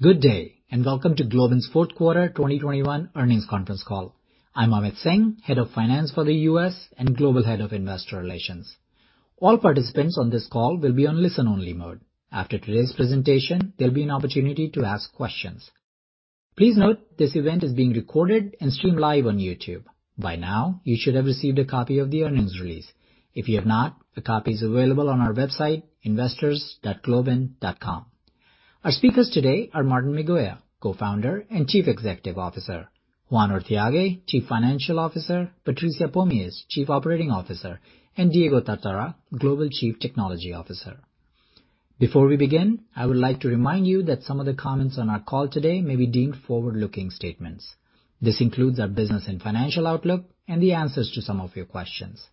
Good day, and welcome to Globant's Fourth Quarter 2021 Earnings Conference Call. I'm Amit Singh, Head of Finance, U.S. & Global Head of Investor Relations. All participants on this call will be on listen-only mode. After today's presentation, there'll be an opportunity to ask questions. Please note this event is being recorded and streamed live on YouTube. By now, you should have received a copy of the earnings release. If you have not, a copy is available on our website, investors.globant.com. Our speakers today are Martín Migoya, Co-Founder and Chief Executive Officer, Juan Urthiague, Chief Financial Officer, Patricia Pomies, Chief Operating Officer, and Diego Tartara, Global Chief Technology Officer. Before we begin, I would like to remind you that some of the comments on our call today may be deemed forward-looking statements. This includes our business and financial outlook and the answers to some of your questions.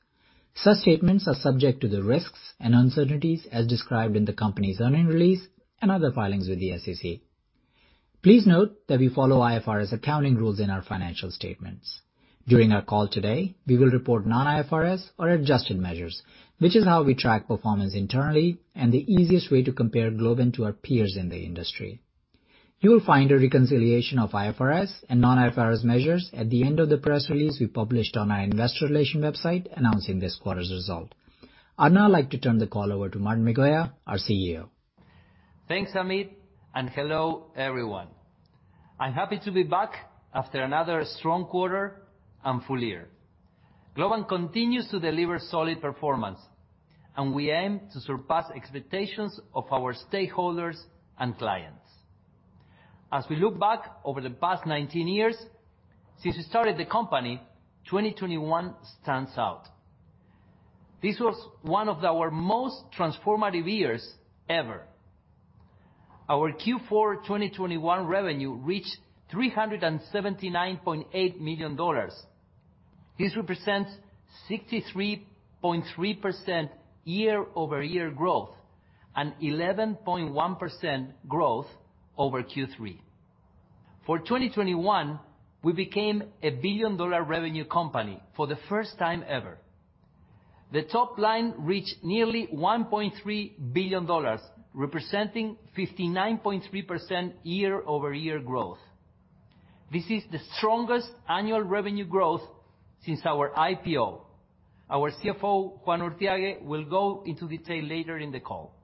Such statements are subject to the risks and uncertainties as described in the company's earnings release and other filings with the SEC. Please note that we follow IFRS accounting rules in our financial statements. During our call today, we will report non-IFRS or adjusted measures, which is how we track performance internally and the easiest way to compare Globant to our peers in the industry. You will find a reconciliation of IFRS and non-IFRS measures at the end of the press release we published on our investor relations website announcing this quarter's results. I'd now like to turn the call over to Martín Migoya, our CEO. Thanks, Amit, and hello, everyone. I'm happy to be back after another strong quarter and full year. Globant continues to deliver solid performance, and we aim to surpass expectations of our stakeholders and clients. As we look back over the past 19 years since we started the company, 2021 stands out. This was one of our most transformative years ever. Our Q4 2021 revenue reached $379.8 million. This represents 63.3% year-over-year growth and 11.1% growth over Q3. For 2021, we became a billion-dollar revenue company for the first time ever. The top line reached nearly $1.3 billion, representing 59.3% year-over-year growth. This is the strongest annual revenue growth since our IPO. Our CFO, Juan Urthiague, will go into detail later in the call.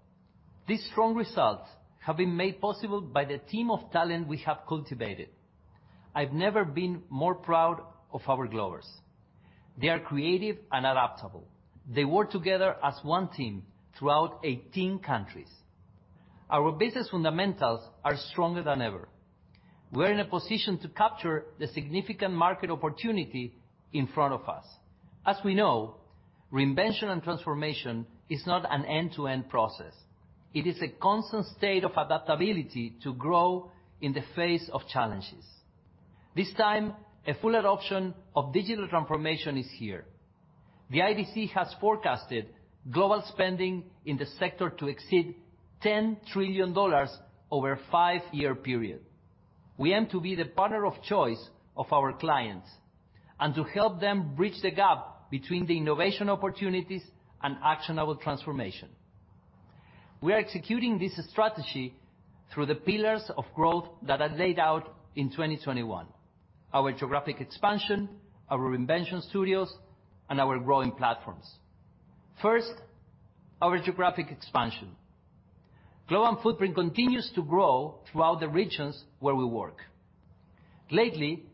These strong results have been made possible by the team of talent we have cultivated. I've never been more proud of our Globers. They are creative and adaptable. They work together as one team throughout 18 countries. Our business fundamentals are stronger than ever. We're in a position to capture the significant market opportunity in front of us. As we know, reinvention and transformation is not an end-to-end process. It is a constant state of adaptability to grow in the face of challenges. This time, a full adoption of digital transformation is here. The IDC has forecasted global spending in the sector to exceed $10 trillion over a 5-year period. We aim to be the partner of choice of our clients and to help them bridge the gap between the innovation opportunities and actionable transformation. We are executing this strategy through the pillars of growth that I laid out in 2021, our geographic expansion, our invention studios, and our growing platforms. First, our geographic expansion. Globant's footprint continues to grow throughout the regions where we work. Lately,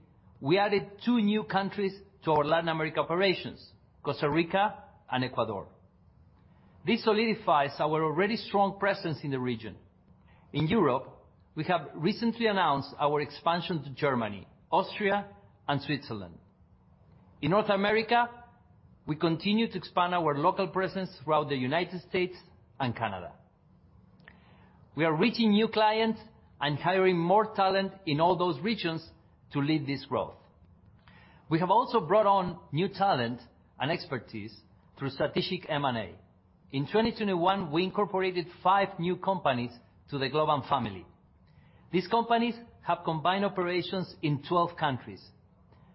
we added 2 new countries to our Latin America operations, Costa Rica and Ecuador. This solidifies our already strong presence in the region. In Europe, we have recently announced our expansion to Germany, Austria, and Switzerland. In North America, we continue to expand our local presence throughout the United States and Canada. We are reaching new clients and hiring more talent in all those regions to lead this growth. We have also brought on new talent and expertise through strategic M&A. In 2021, we incorporated 5 new companies to the Globant family. These companies have combined operations in 12 countries.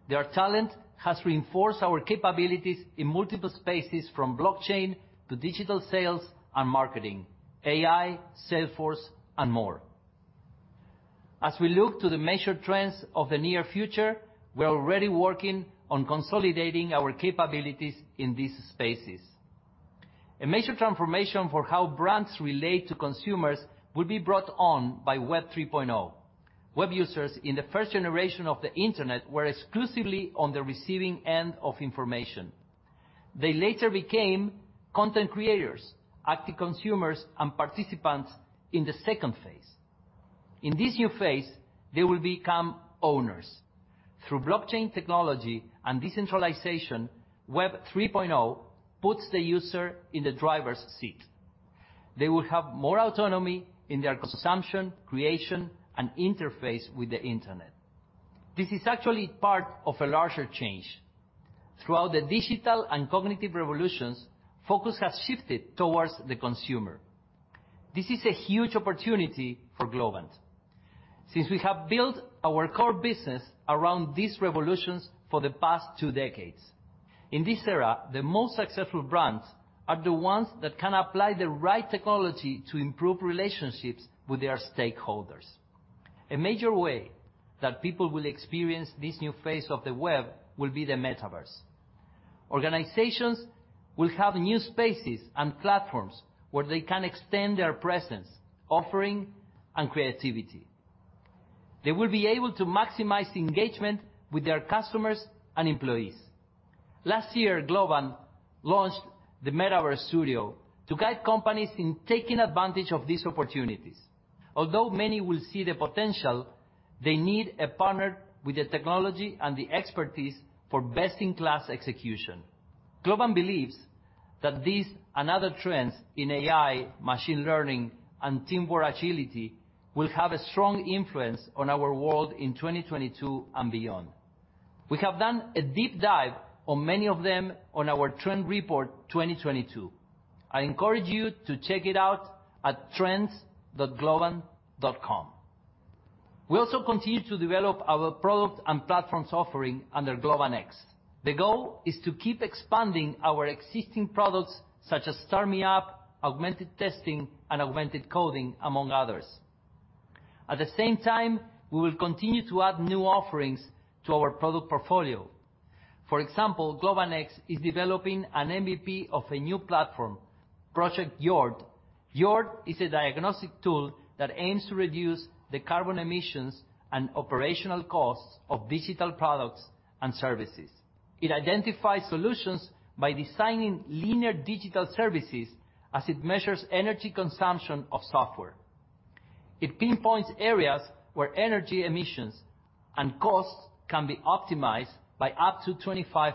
Their talent has reinforced our capabilities in multiple spaces, from blockchain to digital sales and marketing, AI, Salesforce, and more. As we look to the major trends of the near future, we're already working on consolidating our capabilities in these spaces. A major transformation for how brands relate to consumers will be brought on by Web 3.0. Web users in the first generation of the Internet were exclusively on the receiving end of information. They later became content creators, active consumers, and participants in the second phase. In this new phase, they will become owners. Through blockchain technology and decentralization, Web 3.0 puts the user in the driver's seat. They will have more autonomy in their consumption, creation, and interface with the Internet. This is actually part of a larger change. Throughout the digital and cognitive revolutions, focus has shifted towards the consumer. This is a huge opportunity for Globant. Since we have built our core business around these revolutions for the past two decades. In this era, the most successful brands are the ones that can apply the right technology to improve relationships with their stakeholders. A major way that people will experience this new phase of the web will be the metaverse. Organizations will have new spaces and platforms where they can extend their presence, offering, and creativity. They will be able to maximize engagement with their customers and employees. Last year, Globant launched the Metaverse Studio to guide companies in taking advantage of these opportunities. Although many will see the potential, they need a partner with the technology and the expertise for best-in-class execution. Globant believes that these and other trends in AI, machine learning, and teamwork agility will have a strong influence on our world in 2022 and beyond. We have done a deep dive on many of them on our trend report 2022. I encourage you to check it out at trends.globant.com. We also continue to develop our product and platform offering under Globant X. The goal is to keep expanding our existing products, such as StarMeUp, Augmented Testing, and Augmented Coding, among others. At the same time, we will continue to add new offerings to our product portfolio. For example, Globant X is developing an MVP of a new platform, Project-yard. Yard is a diagnostic tool that aims to reduce the carbon emissions and operational costs of digital products and services. It identifies solutions by designing linear digital services as it measures energy consumption of software. It pinpoints areas where energy emissions and costs can be optimized by up to 25%.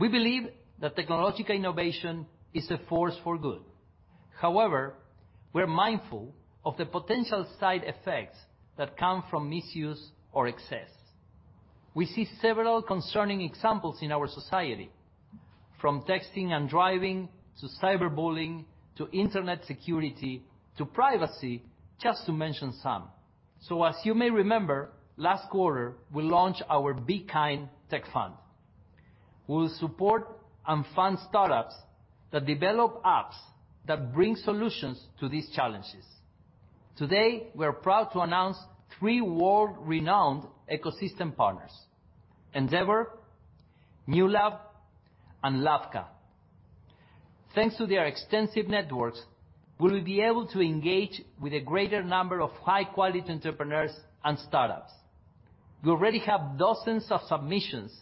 We believe that technological innovation is a force for good. However, we're mindful of the potential side effects that come from misuse or excess. We see several concerning examples in our society, from texting and driving, to cyberbullying, to internet security, to privacy, just to mention some. As you may remember, last quarter, we launched our Be Kind Tech Fund. We will support and fund startups that develop apps that bring solutions to these challenges. Today, we're proud to announce three world-renowned ecosystem partners, Endeavor, Newlab, and LAVCA. Thanks to their extensive networks, we will be able to engage with a greater number of high-quality entrepreneurs and startups. We already have dozens of submissions,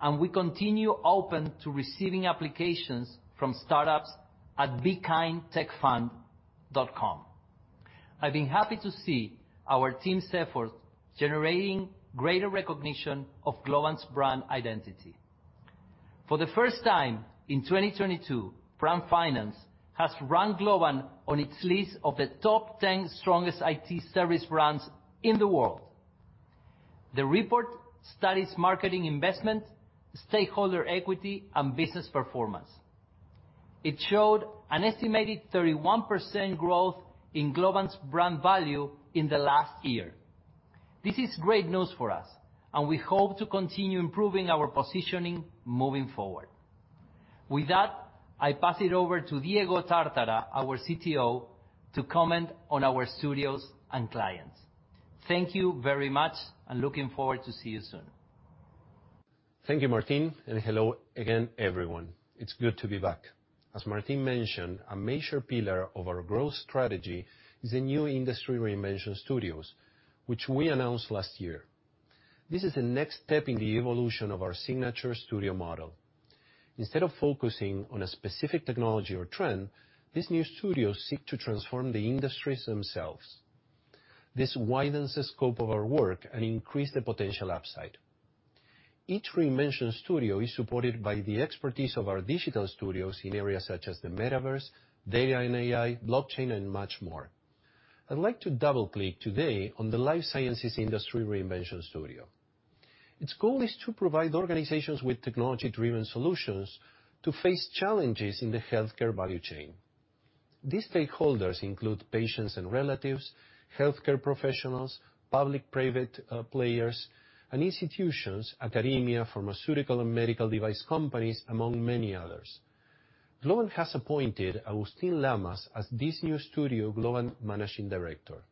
and we continue open to receiving applications from startups at bekindtechfund.com. I've been happy to see our team's effort generating greater recognition of Globant's brand identity. For the first time, in 2022, Brand Finance has ranked Globant on its list of the top 10 strongest IT service brands in the world. The report studies marketing investment, stakeholder equity, and business performance. It showed an estimated 31% growth in Globant's brand value in the last year. This is great news for us, and we hope to continue improving our positioning moving forward. With that, I pass it over to Diego Tartara, our CTO, to comment on our studios and clients. Thank you very much and looking forward to see you soon. Thank you, Martín. Hello again, everyone. It's good to be back. As Martín mentioned, a major pillar of our growth strategy is the new industry Reinvention Studios, which we announced last year. This is the next step in the evolution of our signature studio model. Instead of focusing on a specific technology or trend, these new studios seek to transform the industries themselves. This widens the scope of our work and increase the potential upside. Each Reinvention Studio is supported by the expertise of our digital studios in areas such as the metaverse, data and AI, blockchain, and much more. I'd like to double-click today on the Life Sciences industry Reinvention Studio. Its goal is to provide organizations with technology-driven solutions to face challenges in the healthcare value chain. These stakeholders include patients and relatives, healthcare professionals, public-private players, and institutions, academia, pharmaceutical and medical device companies, among many others. Globant has appointed Agustín Lamas as this new studio Globant managing director.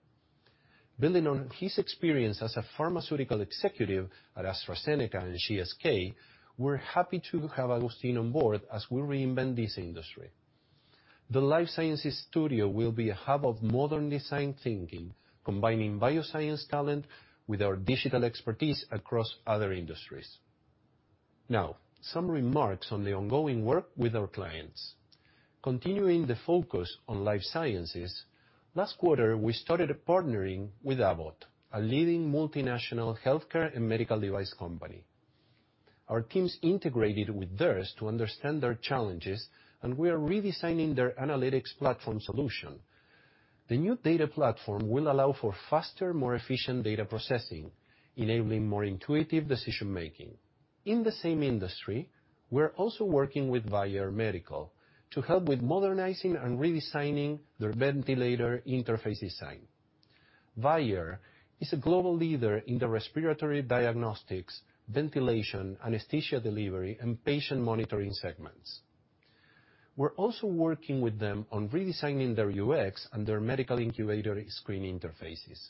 Building on his experience as a pharmaceutical executive at AstraZeneca and GSK, we're happy to have Agustín on board as we reinvent this industry. The life sciences studio will be a hub of modern design thinking, combining bioscience talent with our digital expertise across other industries. Now, some remarks on the ongoing work with our clients. Continuing the focus on life sciences, last quarter, we started partnering with Abbott, a leading multinational Healthcare and Medical Device company. Our teams integrated with theirs to understand their challenges, and we are redesigning their analytics platform solution. The new data platform will allow for faster, more efficient data processing, enabling more intuitive decision-making. In the same industry, we're also working with Vyaire Medical to help with modernizing and redesigning their ventilator interface design. Vyaire Medical is a global leader in the Respiratory Diagnostics, Ventilation, Anesthesia Delivery, and Patient Monitoring segments. We're also working with them on redesigning their UX and their medical incubator screen interfaces.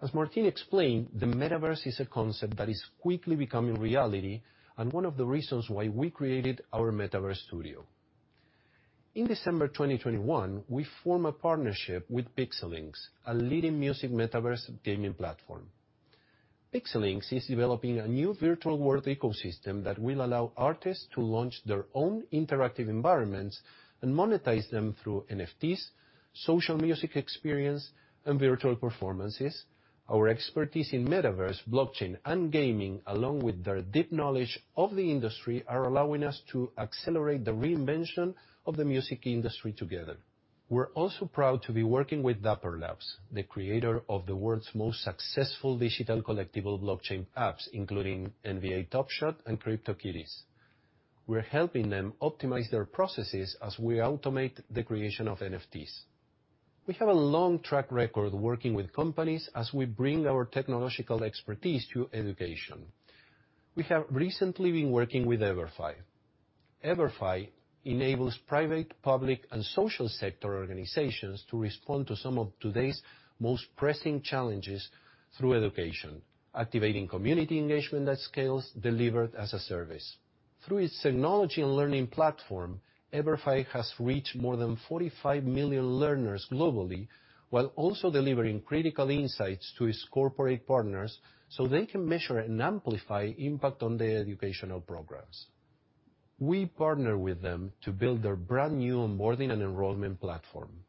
As Martín explained, the metaverse is a concept that is quickly becoming reality, and one of the reasons why we created our Metaverse Studio. In December 2021, we form a partnership with PIXELYNX, a leading music metaverse gaming platform. PIXELYNX is developing a new virtual world ecosystem that will allow artists to launch their own interactive environments and monetize them through NFTs, social music experience, and virtual performances. Our expertise in metaverse, blockchain, and gaming, along with their deep knowledge of the industry, are allowing us to accelerate the reinvention of the Music industry together. We're also proud to be working with Dapper Labs, the creator of the world's most successful digital collectible blockchain apps, including NBA Top Shot and CryptoKitties. We're helping them optimize their processes as we automate the creation of NFTs. We have a long track record working with companies as we bring our technological expertise to education. We have recently been working with EverFi. EverFi enables private, public, and social sector organizations to respond to some of today's most pressing challenges through education, activating community engagement at scales delivered as a service. Through its technology and learning platform, Everfi has reached more than 45 million learners globally, while also delivering critical insights to its corporate partners, so they can measure and amplify impact on the educational programs. We partner with them to build their brand-new onboarding and enrollment platform.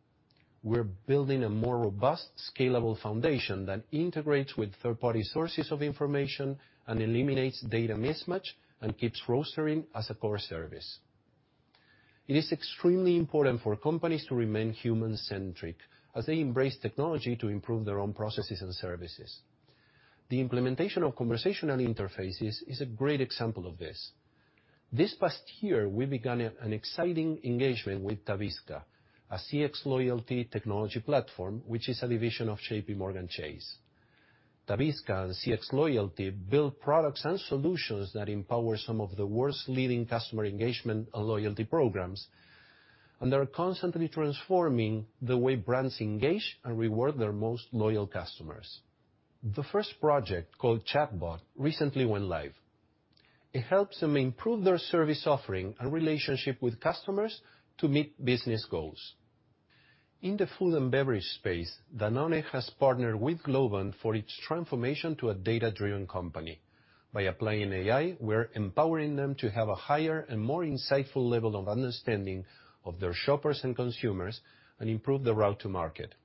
We're building a more robust, scalable foundation that integrates with third-party sources of information and eliminates data mismatch and keeps rostering as a core service. It is extremely important for companies to remain human-centric as they embrace technology to improve their own processes and services. The implementation of conversational interfaces is a great example of this. This past year, we began an exciting engagement with Tavisca, a cxLoyalty technology platform, which is a division of JPMorgan Chase. Tavisca and cxLoyalty build products and solutions that empower some of the world's leading customer engagement and loyalty programs, and they are constantly transforming the way brands engage and reward their most loyal customers. The first project, called Chatbot, recently went live. It helps them improve their service offering and relationship with customers to meet business goals. In the food and beverage space, Danone has partnered with Globant for its transformation to a data-driven company. By applying AI, we're empowering them to have a higher and more insightful level of understanding of their shoppers and consumers and improve their route to market.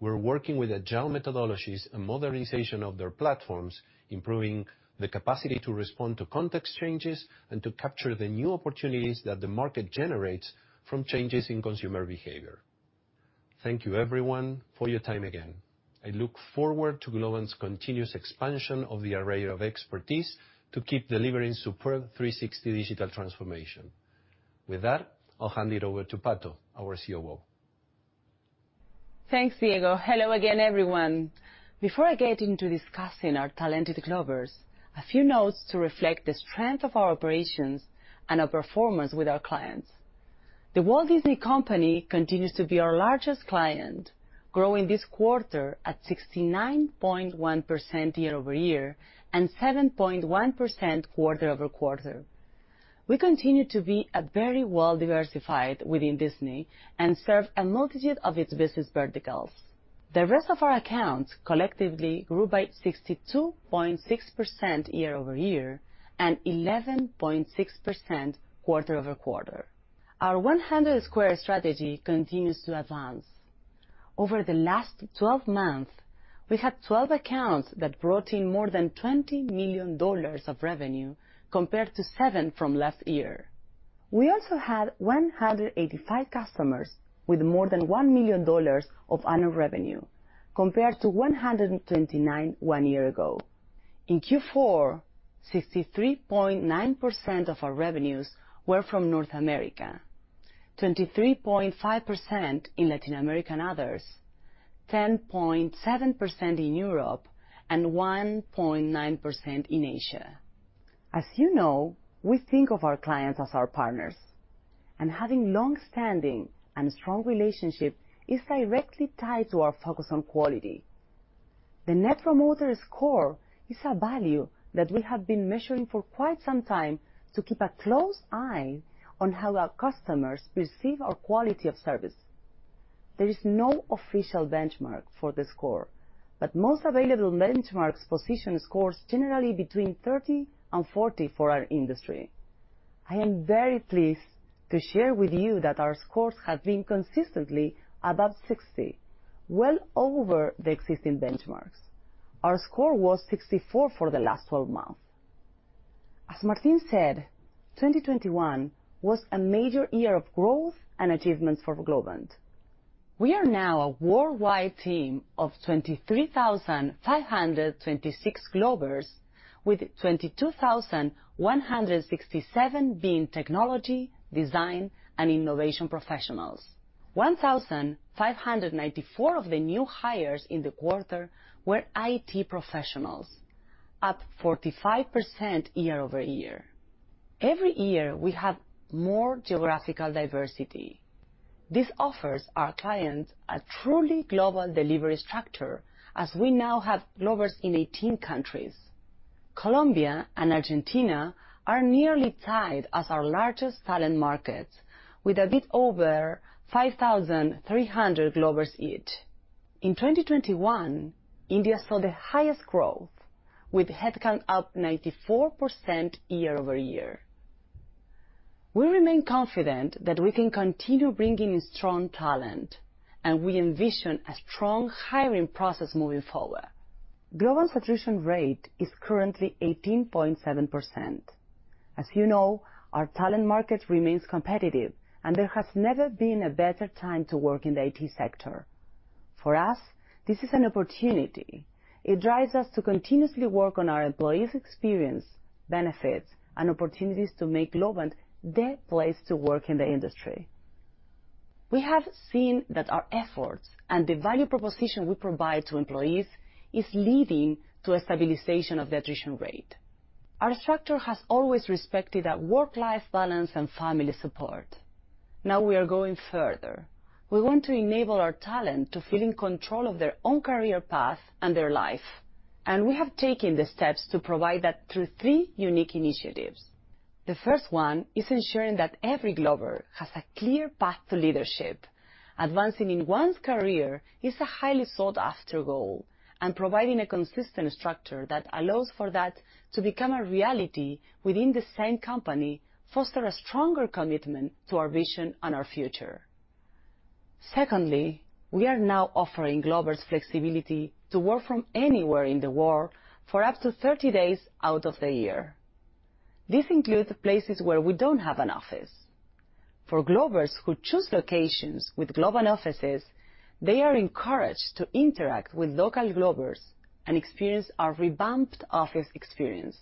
We're working with agile methodologies and modernization of their platforms, improving the capacity to respond to context changes and to capture the new opportunities that the market generates from changes in consumer behavior. Thank you, everyone, for your time again. I look forward to Globant's continuous expansion of the array of expertise to keep delivering superb 360 digital transformation. With that, I'll hand it over to Pato, our COO. Thanks, Diego. Hello again, everyone. Before I get into discussing our talented Globers, a few notes to reflect the strength of our operations and our performance with our clients. The Walt Disney Company continues to be our largest client, growing this quarter at 69.1% year-over-year and 7.1% quarter-over-quarter. We continue to be very well diversified within Disney and serve a multitude of its business verticals. The rest of our accounts collectively grew by 62.6% year-over-year and 11.6% quarter-over-quarter. Our 100 Square strategy continues to advance. Over the last 12 months, we had 12 accounts that brought in more than $20 million of revenue compared to 7 from last year. We also had 185 customers with more than $1 million of annual revenue compared to 129 one year ago. In Q4, 63.9% of our revenues were from North America, 23.5% in Latin America and others, 10.7% in Europe, and 1.9% in Asia. As you know, we think of our clients as our partners, and having longstanding and strong relationship is directly tied to our focus on quality. The net promoter score is a value that we have been measuring for quite some time to keep a close eye on how our customers perceive our quality of service. There is no official benchmark for the score, but most available benchmarks position scores generally between 30 and 40 for our industry. I am very pleased to share with you that our scores have been consistently above 60, well over the existing benchmarks. Our score was 64 for the last 12 months. As Martín said, 2021 was a major year of growth and achievement for Globant. We are now a worldwide team of 23,526 Globers with 22,167 being technology, design, and innovation professionals. 1,594 of the new hires in the quarter were IT professionals, up 45% year-over-year. Every year we have more geographical diversity. This offers our clients a truly global delivery structure as we now have Globers in 18 countries. Colombia and Argentina are nearly tied as our largest talent markets with a bit over 5,300 Globers each. In 2021, India saw the highest growth with headcount up 94% year-over-year. We remain confident that we can continue bringing in strong talent, and we envision a strong hiring process moving forward. Global attrition rate is currently 18.7%. As you know, our talent market remains competitive, and there has never been a better time to work in the IT sector. For us, this is an opportunity. It drives us to continuously work on our employees' experience, benefits, and opportunities to make Globant the place to work in the industry. We have seen that our efforts and the value proposition we provide to employees is leading to a stabilization of the attrition rate. Our structure has always respected a work-life balance and family support. Now we are going further. We want to enable our talent to feel in control of their own career path and their life, and we have taken the steps to provide that through three unique initiatives. The first one is ensuring that every Glober has a clear path to leadership. Advancing in one's career is a highly sought-after goal, and providing a consistent structure that allows for that to become a reality within the same company foster a stronger commitment to our vision and our future. Secondly, we are now offering Globers flexibility to work from anywhere in the world for up to 30 days out of the year. This includes places where we don't have an office. For Globers who choose locations with Globant offices, they are encouraged to interact with local Globers and experience our revamped office experience.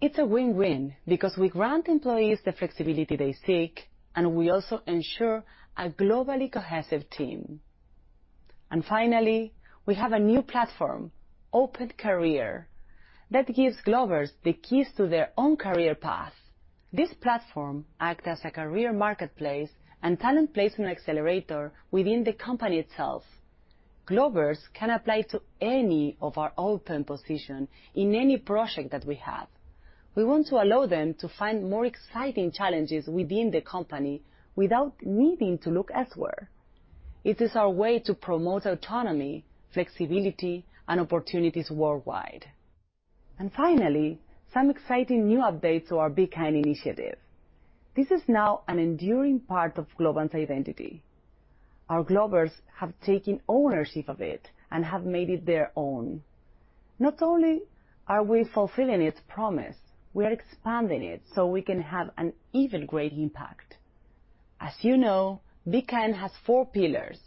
It's a win-win because we grant employees the flexibility they seek, and we also ensure a globally cohesive team. Finally, we have a new platform, Open Career, that gives Globers the keys to their own career path. This platform acts as a career marketplace and talent placement accelerator within the company itself. Globers can apply to any of our open positions in any project that we have. We want to allow them to find more exciting challenges within the company without needing to look elsewhere. It is our way to promote autonomy, flexibility, and opportunities worldwide. Finally, some exciting new updates to our Be Kind initiative. This is now an enduring part of Globant's identity. Our Globers have taken ownership of it and have made it their own. Not only are we fulfilling its promise, we are expanding it so we can have an even greater impact. As you know, Be Kind has four pillars: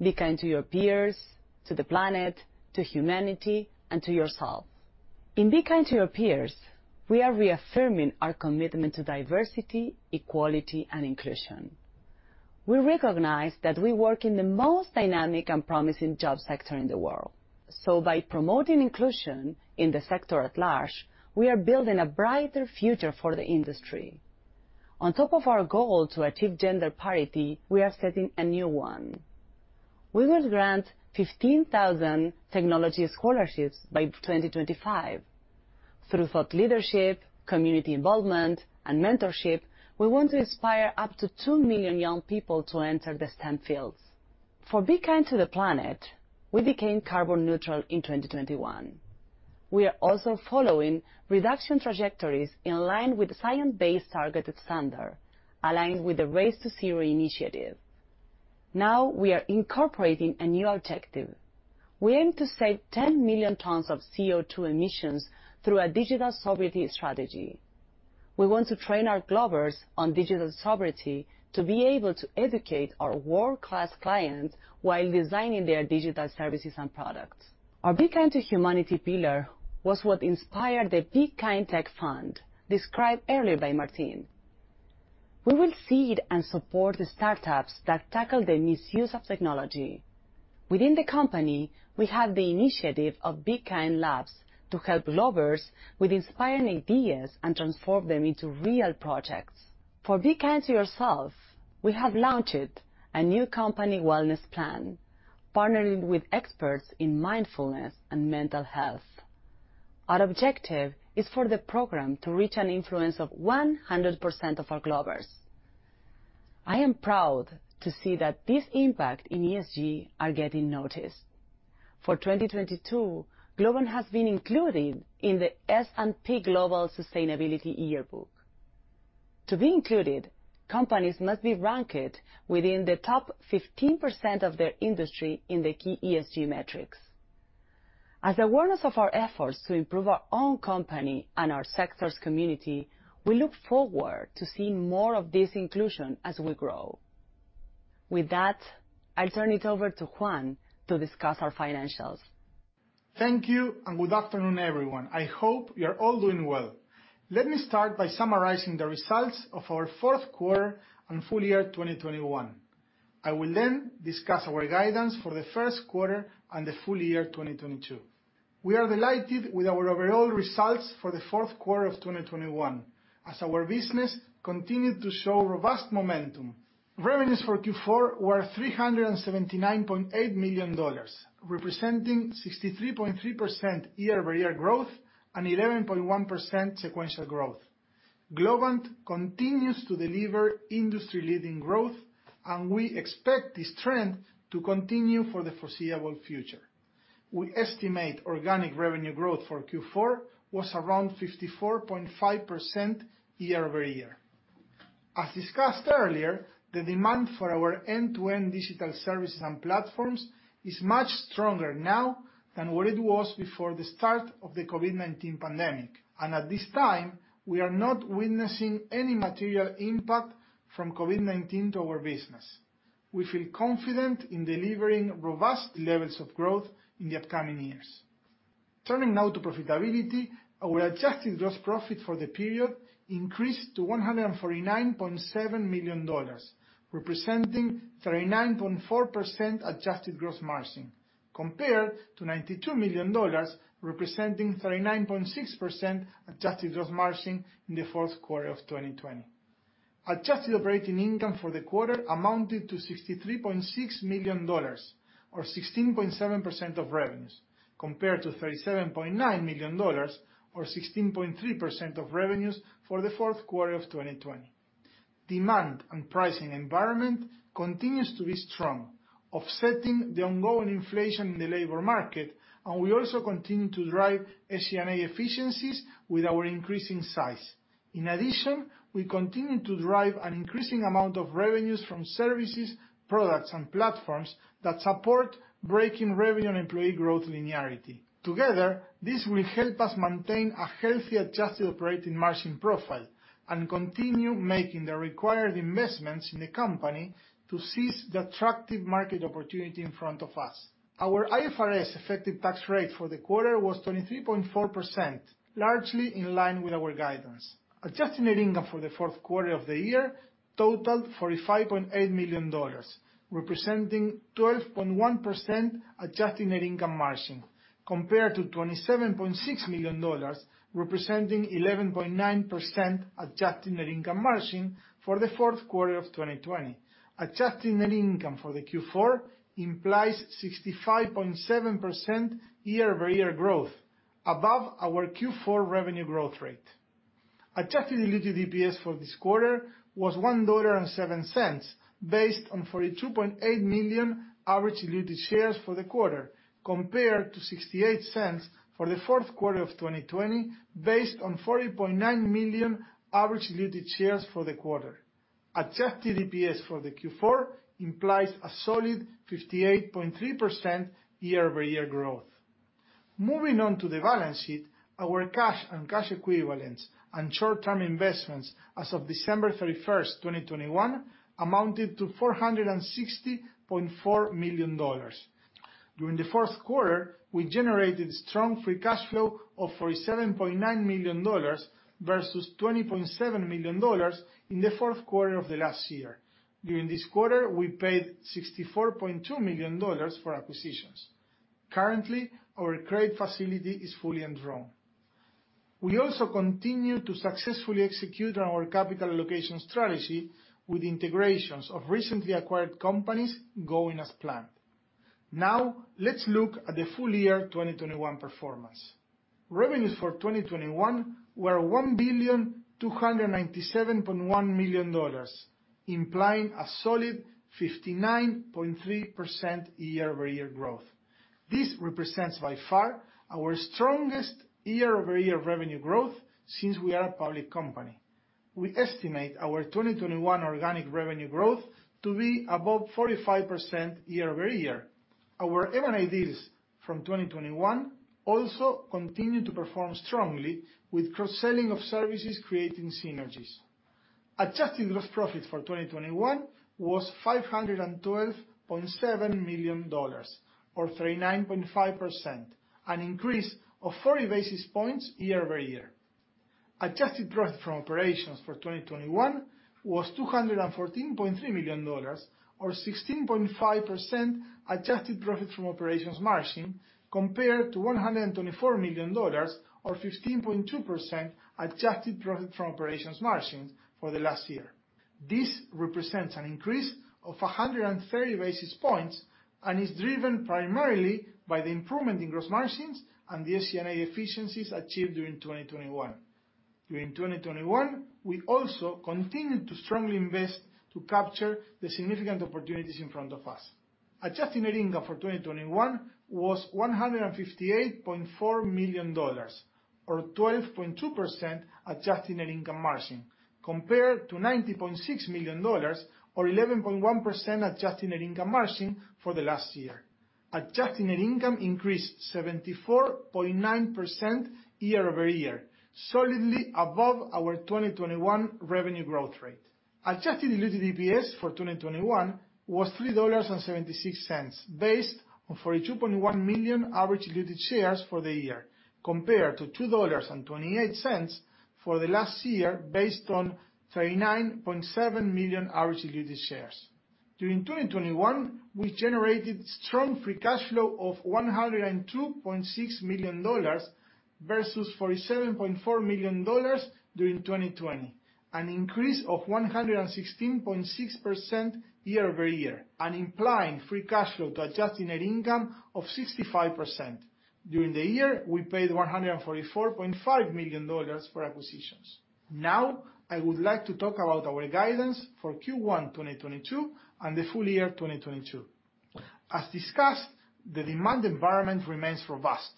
Be kind to your peers, to the planet, to humanity, and to yourself. In Be Kind to your peers, we are reaffirming our commitment to diversity, equality, and inclusion. We recognize that we work in the most dynamic and promising job sector in the world, so by promoting inclusion in the sector at large, we are building a brighter future for the industry. On top of our goal to achieve gender parity, we are setting a new one. We will grant 15,000 technology scholarships by 2025. Through thought leadership, community involvement, and mentorship, we want to inspire up to 2 million young people to enter the STEM fields. For Be Kind to the planet, we became carbon neutral in 2021. We are also following reduction trajectories in line with Science Based Targets standard, aligned with the Race to Zero initiative. Now we are incorporating a new objective. We aim to save 10 million tons of CO2 emissions through a digital sovereignty strategy. We want to train our Globers on digital sovereignty to be able to educate our world-class clients while designing their digital services and products. Our Be Kind to Humanity pillar was what inspired the Be Kind Tech Fund described earlier by Martín. We will seed and support the startups that tackle the misuse of technology. Within the company, we have the initiative of Globant Labs to help Globers with inspiring ideas and transform them into real projects. For Be Kind to yourself, we have launched a new company wellness plan, partnering with experts in mindfulness and mental health. Our objective is for the program to reach an influence of 100% of our Globers. I am proud to see that this impact in ESG are getting noticed. For 2022, Globant has been included in the S&P Global Sustainability Yearbook. To be included, companies must be ranked within the top 15% of their industry in the key ESG metrics. As awareness of our efforts to improve our own company and our sector's community, we look forward to seeing more of this inclusion as we grow. With that, I turn it over to Juan to discuss our financials. Thank you, and good afternoon, everyone. I hope you're all doing well. Let me start by summarizing the results of our fourth quarter and full year 2021. I will then discuss our guidance for the first quarter and the full year 2022. We are delighted with our overall results for the fourth quarter of 2021, as our business continued to show robust momentum. Revenues for Q4 were $379.8 million, representing 63.3% year-over-year growth and 11.1% sequential growth. Globant continues to deliver industry-leading growth, and we expect this trend to continue for the foreseeable future. We estimate organic revenue growth for Q4 was around 54.5% year-over-year. As discussed earlier, the demand for our end-to-end digital services and platforms is much stronger now than what it was before the start of the COVID-19 pandemic, and at this time, we are not witnessing any material impact from COVID-19 to our business. We feel confident in delivering robust levels of growth in the upcoming years. Turning now to profitability, our adjusted gross profit for the period increased to $149.7 million, representing 39.4% adjusted gross margin compared to $92 million, representing 39.6% adjusted gross margin in the fourth quarter of 2020. Adjusted operating income for the quarter amounted to $63.6 million or 16.7% of revenues compared to $37.9 million or 16.3% of revenues for the fourth quarter of 2020. Demand and pricing environment continues to be strong, offsetting the ongoing inflation in the labor market, and we also continue to drive SG&A efficiencies with our increasing size. In addition, we continue to drive an increasing amount of revenues from services, products, and platforms that support breaking revenue and employee growth linearity. Together, this will help us maintain a healthy adjusted operating margin profile and continue making the required investments in the company to seize the attractive market opportunity in front of us. Our IFRS effective tax rate for the quarter was 23.4%, largely in line with our guidance. Adjusted net income for the fourth quarter of the year totaled $45.8 million, representing 12.1% adjusted net income margin compared to $27.6 million, representing 11.9% adjusted net income margin for the fourth quarter of 2020. Adjusted net income for the Q4 implies 65.7% year-over-year growth above our Q4 revenue growth rate. Adjusted diluted EPS for this quarter was $1.07, based on 42.8 million average diluted shares for the quarter, compared to $0.68 for the fourth quarter of 2020, based on 40.9 million average diluted shares for the quarter. Adjusted EPS for the Q4 implies a solid 58.3% year-over-year growth. Moving on to the balance sheet, our cash and cash equivalents and short-term investments as of December 31, 2021 amounted to $460.4 million. During the fourth quarter, we generated strong free cash flow of $47.9 million versus $20.7 million in the fourth quarter of the last year. During this quarter, we paid $64.2 million for acquisitions. Currently, our credit facility is fully undrawn. We also continue to successfully execute on our capital allocation strategy with integrations of recently acquired companies going as planned. Now let's look at the full year 2021 performance. Revenues for 2021 were $1,297.1 million, implying a solid 59.3% year-over-year growth. This represents by far our strongest year-over-year revenue growth since we are a public company. We estimate our 2021 organic revenue growth to be above 45% year-over-year. Our M&As from 2021 also continue to perform strongly with cross-selling of services creating synergies. Adjusted gross profit for 2021 was $512.7 million or 39.5%, an increase of 40 basis points year-over-year. Adjusted profit from operations for 2021 was $214.3 million or 16.5% adjusted profit from operations margin compared to $124 million or 15.2% adjusted profit from operations margin for the last year. This represents an increase of 130 basis points and is driven primarily by the improvement in gross margins and the SG&A efficiencies achieved during 2021. During 2021, we also continued to strongly invest to capture the significant opportunities in front of us. Adjusted net income for 2021 was $158.4 million or 12.2% adjusted net income margin, compared to $90.6 million or 11.1% adjusted net income margin for the last year. Adjusted net income increased 74.9% year-over-year, solidly above our 2021 revenue growth rate. Adjusted diluted EPS for 2021 was $3.76, based on 42.1 million average diluted shares for the year, compared to $2.28 for the last year, based on 39.7 million average diluted shares. During 2021, we generated strong free cash flow of $102.6 million versus $47.4 million during 2020. An increase of 116.6% year-over-year, and implying free cash flow to adjusted net income of 65%. During the year, we paid $144.5 million for acquisitions. Now, I would like to talk about our guidance for Q1 2022 and the full year 2022. As discussed, the demand environment remains robust.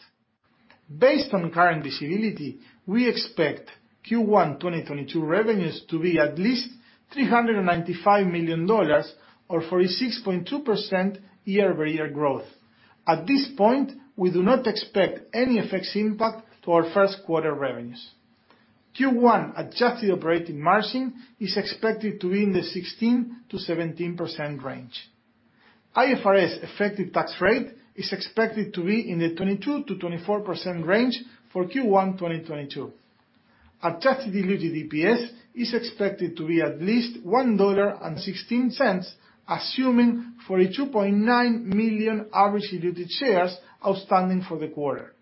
Based on current visibility, we expect Q1 2022 revenues to be at least $395 million or 46.2% year-over-year growth. At this point, we do not expect any FX impact to our first quarter revenues. Q1 adjusted operating margin is expected to be in the 16%-17% range. IFRS effective tax rate is expected to be in the 22%-24% range for Q1 2022. Adjusted diluted EPS is expected to be at least $1.16, assuming 42.9 million average diluted shares outstanding for the quarter.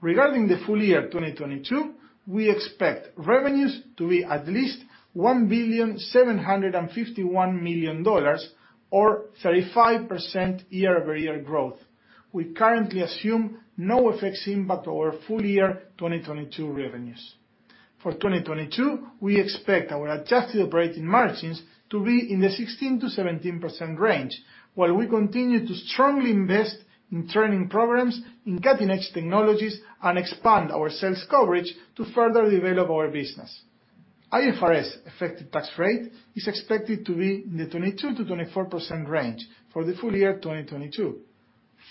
Regarding the full year 2022, we expect revenues to be at least $1,751 million or 35% year-over-year growth. We currently assume no effects impact to our full year 2022 revenues. For 2022, we expect our adjusted operating margins to be in the 16%-17% range, while we continue to strongly invest in training programs, in cutting edge technologies, and expand our sales coverage to further develop our business. IFRS effective tax rate is expected to be in the 22%-24% range for the full year 2022.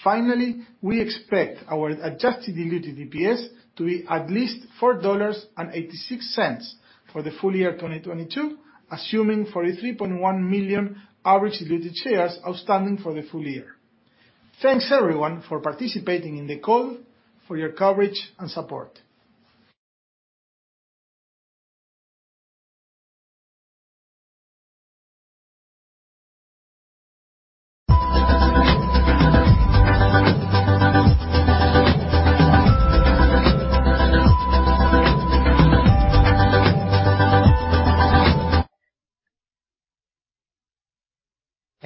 Finally, we expect our adjusted diluted EPS to be at least $4.86 for the full year 2022, assuming 43.1 million average diluted shares outstanding for the full year. Thanks everyone for participating in the call, for your coverage and support.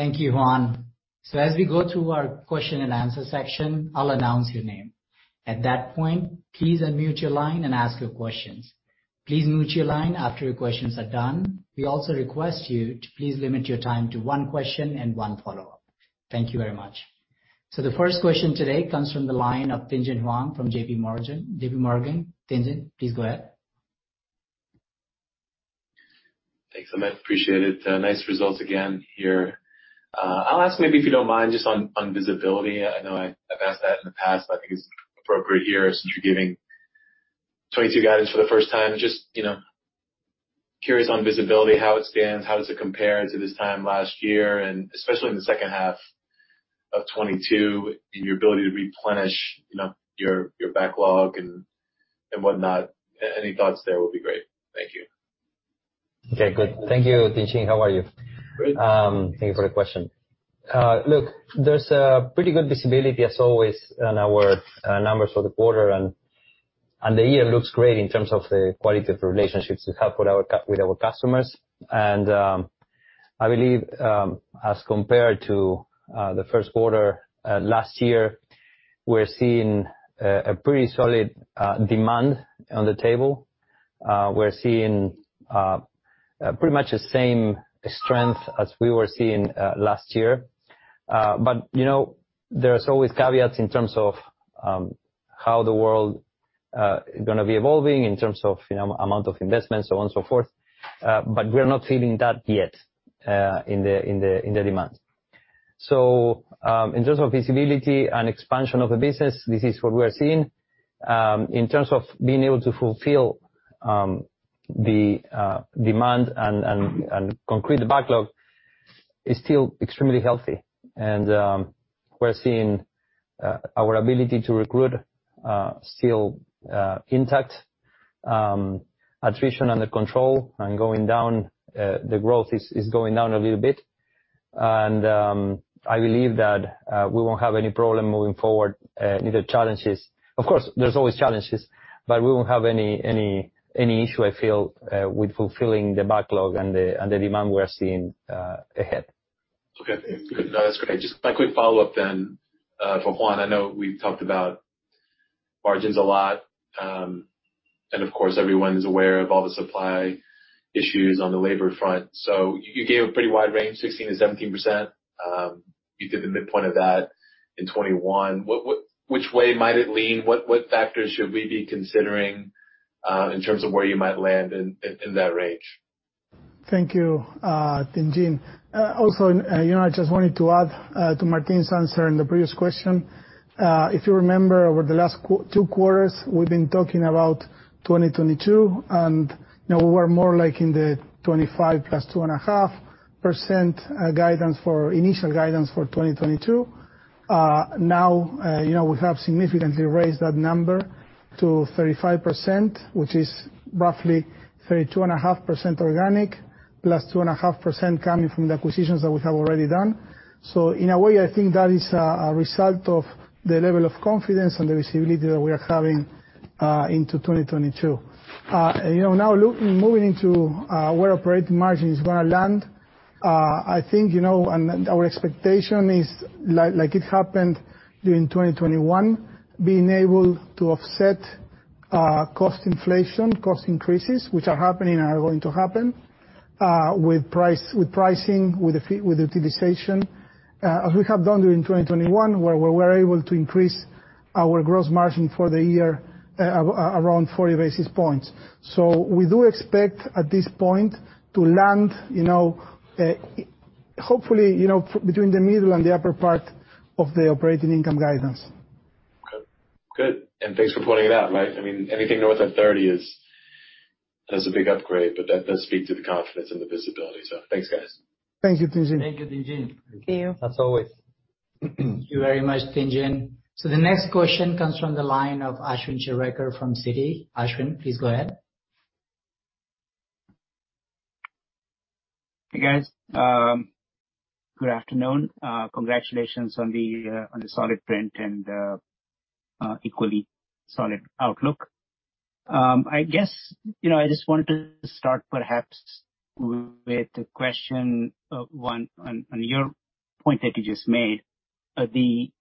Thank you, Juan. As we go through our question and answer section, I'll announce your name. At that point, please unmute your line and ask your questions. Please mute your line after your questions are done. We also request you to please limit your time to one question and one follow-up. Thank you very much. The first question today comes from the line of Tien-Tsin Huang from JPMorgan. JPMorgan, Tien-Tsin, please go ahead. Thanks, Amit. Appreciate it. Nice results again here. I'll ask maybe if you don't mind, just on visibility. I know I've asked that in the past, but I think it's appropriate here since you're giving 2022 guidance for the first time. You know, curious on visibility, how it stands, how does it compare to this time last year, and especially in the second half of 2022, and your ability to replenish, you know, your backlog and whatnot. Any thoughts there will be great. Thank you. Okay, good. Thank you, Tien-Tsin Huang. How are you? Great. Thank you for the question. Look, there's a pretty good visibility as always on our numbers for the quarter and the year looks great in terms of the quality of the relationships we have with our customers. I believe as compared to the first quarter last year, we're seeing a pretty solid demand on the table. We're seeing pretty much the same strength as we were seeing last year. But you know, there's always caveats in terms of how the world gonna be evolving in terms of you know, amount of investments, so on and so forth. But we're not feeling that yet in the demand. In terms of visibility and expansion of the business, this is what we are seeing. In terms of being able to fulfill the demand and concrete backlog is still extremely healthy. We're seeing our ability to recruit still intact. Attrition under control and going down. The growth is going down a little bit. I believe that we won't have any problem moving forward, neither challenges. Of course, there's always challenges, but we won't have any issue I feel with fulfilling the backlog and the demand we are seeing ahead. Okay. Good. No, that's great. Just my quick follow-up then, for Juan. I know we've talked about margins a lot. Of course, everyone's aware of all the supply issues on the labor front. You gave a pretty wide range, 16%-17%. You did the midpoint of that in 2021. Which way might it lean? What factors should we be considering, in terms of where you might land in that range? Thank you, Tien-Tsin Huang. Also, you know, I just wanted to add to Martín Migoya's answer in the previous question. If you remember over the last two quarters, we've been talking about 2022, and now we were more like in the 25% + 2.5% guidance for initial guidance for 2022. Now, you know, we have significantly raised that number to 35%, which is roughly 32.5% organic + 2.5% coming from the acquisitions that we have already done. In a way, I think that is a result of the level of confidence and the visibility that we are having into 2022. You know, now look, moving into where operating margin is gonna land. I think, you know, and our expectation is like it happened during 2021, being able to offset cost inflation, cost increases which are happening and are going to happen with price, with pricing, with utilization. As we have done during 2021, where we were able to increase our gross margin for the year around 40 basis points. We do expect at this point to land, you know, hopefully, you know, between the middle and the upper part of the operating income guidance. Okay. Good. Thanks for pointing it out, right? I mean anything north of 30 is a big upgrade, but that does speak to the confidence and the visibility. Thanks, guys. Thank you, Tien-Tsin Huang. Thank you, Tien-Tsin Huang. Thank you. As always. Thank you very much, Tien-Tsin Huang. The next question comes from the line of Ashwin Shirvaikar from Citi. Ashwin, please go ahead. Hey, guys. Good afternoon. Congratulations on the solid print and equally solid outlook. I guess, you know, I just wanted to start perhaps with a question, one on your point that you just made, the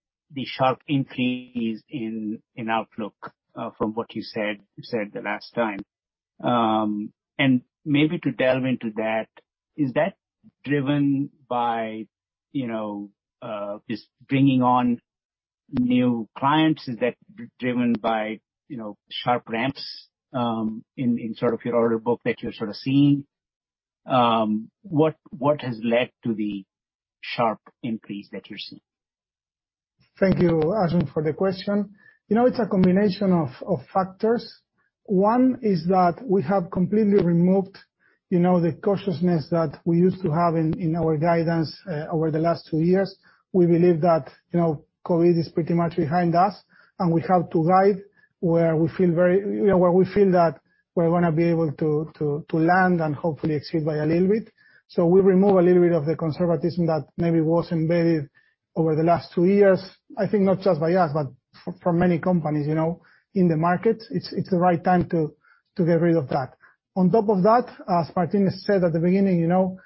sharp increase in outlook from what you said the last time. Maybe to delve into that, is that driven by, you know, just bringing on new clients? Is that driven by, you know, sharp ramps in sort of your order book that you're sort of seeing? What has led to the sharp increase that you're seeing? Thank you, Ashwin, for the question. You know, it's a combination of factors. One is that we have completely removed, you know, the cautiousness that we used to have in our guidance over the last 2 years. We believe that, you know, COVID is pretty much behind us, and we have to guide where we feel that we're gonna be able to land and hopefully exceed by a little bit. We remove a little bit of the conservatism that maybe was embedded over the last 2 years. I think not just by us, but for many companies, you know, in the market. It's the right time to get rid of that. On top of that, as Martín said at the beginning, you know,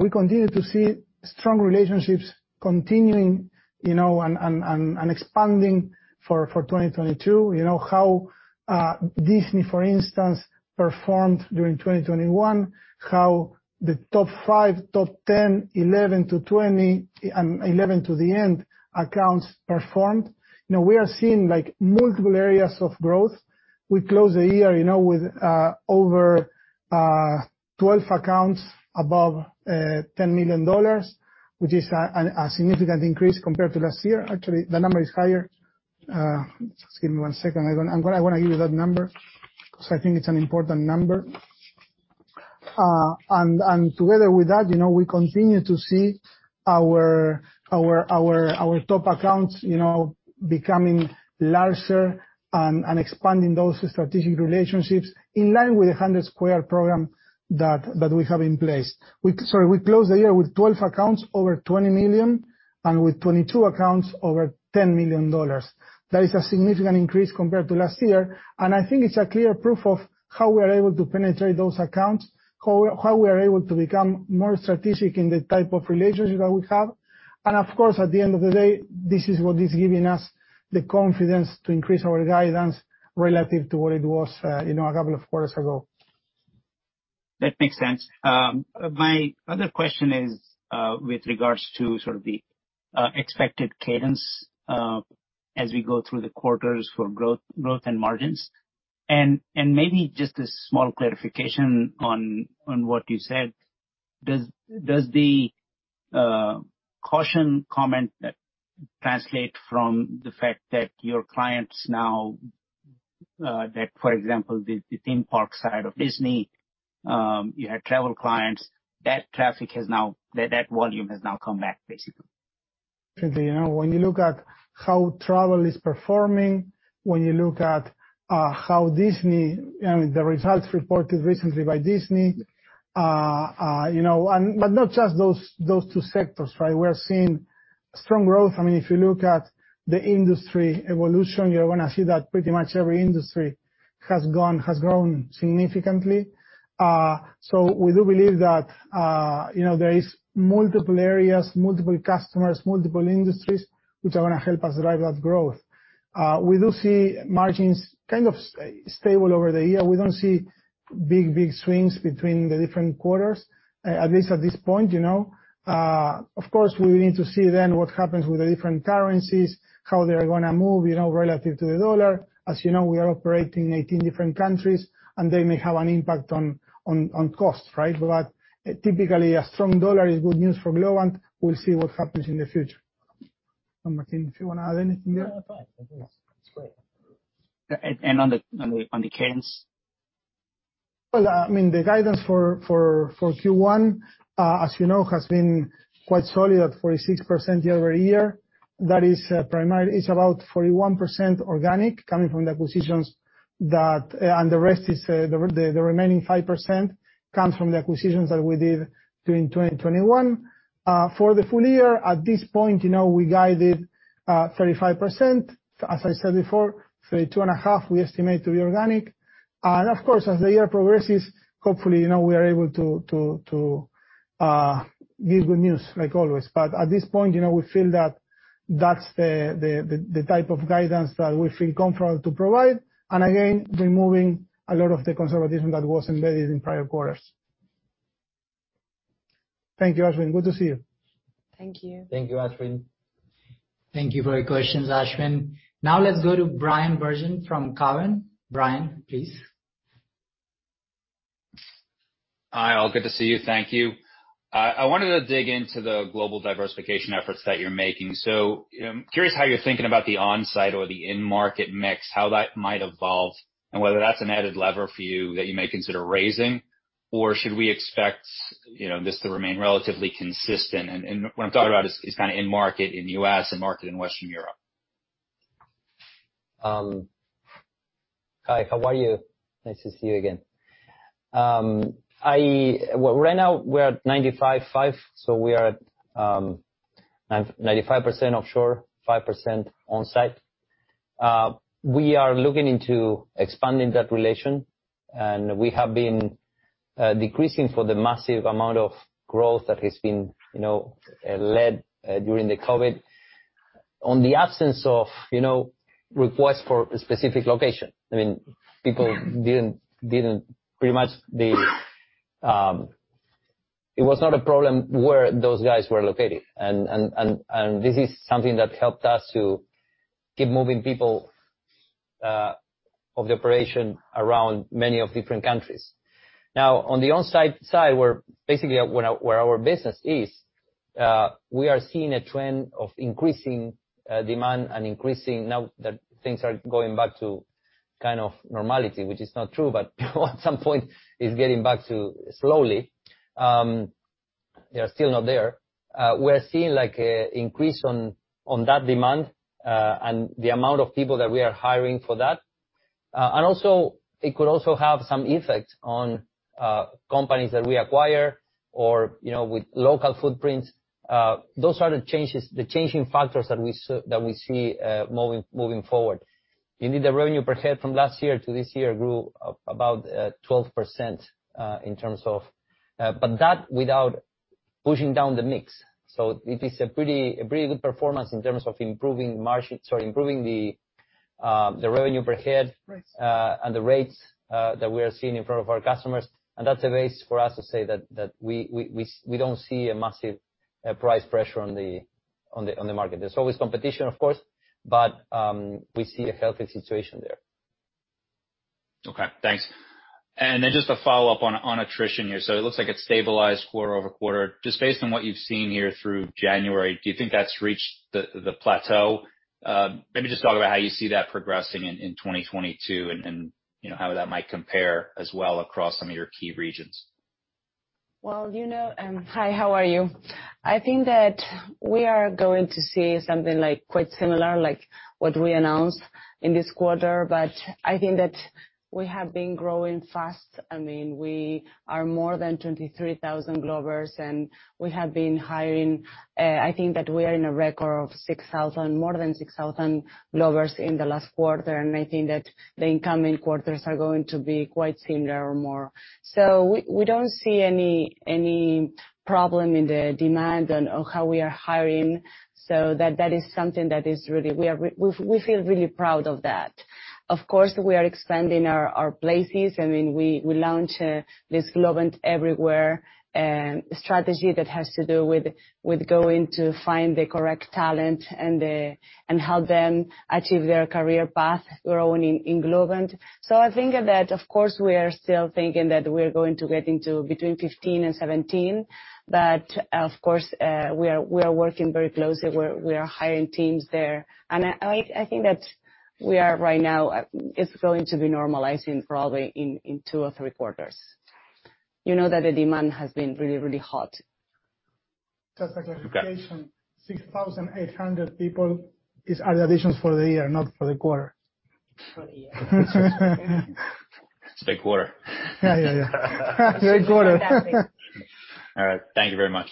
we continue to see strong relationships continuing, you know, and expanding for 2022. You know, how Disney, for instance, performed during 2021, how the top five, top 10, 11-20, and 21 to the end accounts performed. You know, we are seeing like, multiple areas of growth. We closed the year, you know, with over 12 accounts above $10 million, which is a significant increase compared to last year. Actually, the number is higher. Just give me one second. I'm gonna, I wanna give you that number because I think it's an important number. Together with that, you know, we continue to see our top accounts, you know, becoming larger and expanding those strategic relationships in line with the 100 Square program that we have in place. We closed the year with 12 accounts over $20 million and 22 accounts over $10 million. That is a significant increase compared to last year. I think it's a clear proof of how we are able to penetrate those accounts, how we are able to become more strategic in the type of relationship that we have. Of course, at the end of the day, this is what is giving us the confidence to increase our guidance relative to what it was, you know, a couple of quarters ago. That makes sense. My other question is with regards to sort of the expected cadence as we go through the quarters for growth and margins, and maybe just a small clarification on what you said. Does the caution comment translate from the fact that your clients now, that for example the theme park side of Disney, you had travel clients, that volume has now come back basically? You know, when you look at how travel is performing, when you look at how Disney, you know, the results reported recently by Disney. You know, and but not just those two sectors, right? We're seeing strong growth. I mean, if you look at the industry evolution, you're gonna see that pretty much every industry has grown significantly. We do believe that, you know, there is multiple areas, multiple customers, multiple industries, which are gonna help us drive that growth. We do see margins kind of stable over the year. We don't see big swings between the different quarters, at least at this point, you know. Of course, we will need to see then what happens with the different currencies, how they're gonna move, you know, relative to the dollar. As you know, we are operating in 18 different countries, and they may have an impact on cost, right? But typically, a strong dollar is good news for Globant. We'll see what happens in the future. Martín, if you wanna add anything there. No, that's fine. That's great. On the guidance. Well, I mean, the guidance for Q1, as you know, has been quite solid at 46% year-over-year. That is, it's about 41% organic, and the rest is the remaining 5% comes from the acquisitions that we did during 2021. For the full year, at this point, you know, we guided 35%. As I said before, 32.5 we estimate to be organic. Of course, as the year progresses, hopefully, you know, we are able to give good news like always. At this point, you know, we feel that that's the type of guidance that we feel comfortable to provide, and again, removing a lot of the conservatism that was embedded in prior quarters. Thank you, Ashwin. Good to see you. Thank you. Thank you, Ashwin. Thank you for your questions, Ashwin. Now let's go to Bryan Bergin from Cowen. Bryan, please. Hi, all. Good to see you. Thank you. I wanted to dig into the global diversification efforts that you're making. Curious how you're thinking about the on-site or the in-market mix, how that might evolve, and whether that's an added lever for you that you may consider raising, or should we expect, you know, this to remain relatively consistent? What I'm talking about is kinda in-market in U.S., in-market in Western Europe. Hi. How are you? Nice to see you again. Right now we're at 95/5, so we are at 95% offshore, 5% on-site. We are looking into expanding that ratio, and we have been decreasing for the massive amount of growth that has been, you know, led during the COVID-19. In the absence of, you know, requests for a specific location, I mean, people didn't pretty much. It was not a problem where those guys were located and this is something that helped us to keep moving people of the operation around many different countries. Now, on the on-site side, where basically our business is, we are seeing a trend of increasing demand and increasing now that things are going back to kind of normality, which is not true, but at some point is getting back to slowly. They are still not there. We are seeing like a increase on that demand, and the amount of people that we are hiring for that. And it could also have some effect on companies that we acquire or, you know, with local footprints. Those are the changes, the changing factors that we see moving forward. Indeed, the revenue per head from last year to this year grew about 12%, but that without pushing down the mix. It is a pretty good performance in terms of improving the revenue per head. Right. The rates that we are seeing in front of our customers, and that's a base for us to say that we don't see a massive price pressure on the market. There's always competition, of course, but we see a healthy situation there. Okay. Thanks. Just a follow-up on attrition here. It looks like it's stabilized quarter-over-quarter. Just based on what you've seen here through January, do you think that's reached the plateau? Maybe just talk about how you see that progressing in 2022 and you know how that might compare as well across some of your key regions. Well, you know, Hi, how are you? I think that we are going to see something like quite similar, like what we announced in this quarter. I think that we have been growing fast. I mean, we are more than 23,000 Globers, and we have been hiring. I think that we are in a record of more than 6,000 Globers in the last quarter, and I think that the incoming quarters are going to be quite similar or more. We don't see any problem in the demand on how we are hiring. That is something that we feel really proud of. Of course, we are expanding our places. I mean, we launched this Globant Everywhere strategy that has to do with going to find the correct talent and help them achieve their career path growing in Globant. I think that, of course, we are still thinking that we are going to get into between 15 and 17, but of course, we are working very closely. We are hiring teams there. I think that we are right now it's going to be normalizing probably in 2 or 3 quarters. You know that the demand has been really hot. Just a clarification. Okay. 6,800 people is annualizations for the year, not for the quarter? For the year. It's a big quarter. Yeah, yeah. Big quarter. Fantastic. All right. Thank you very much.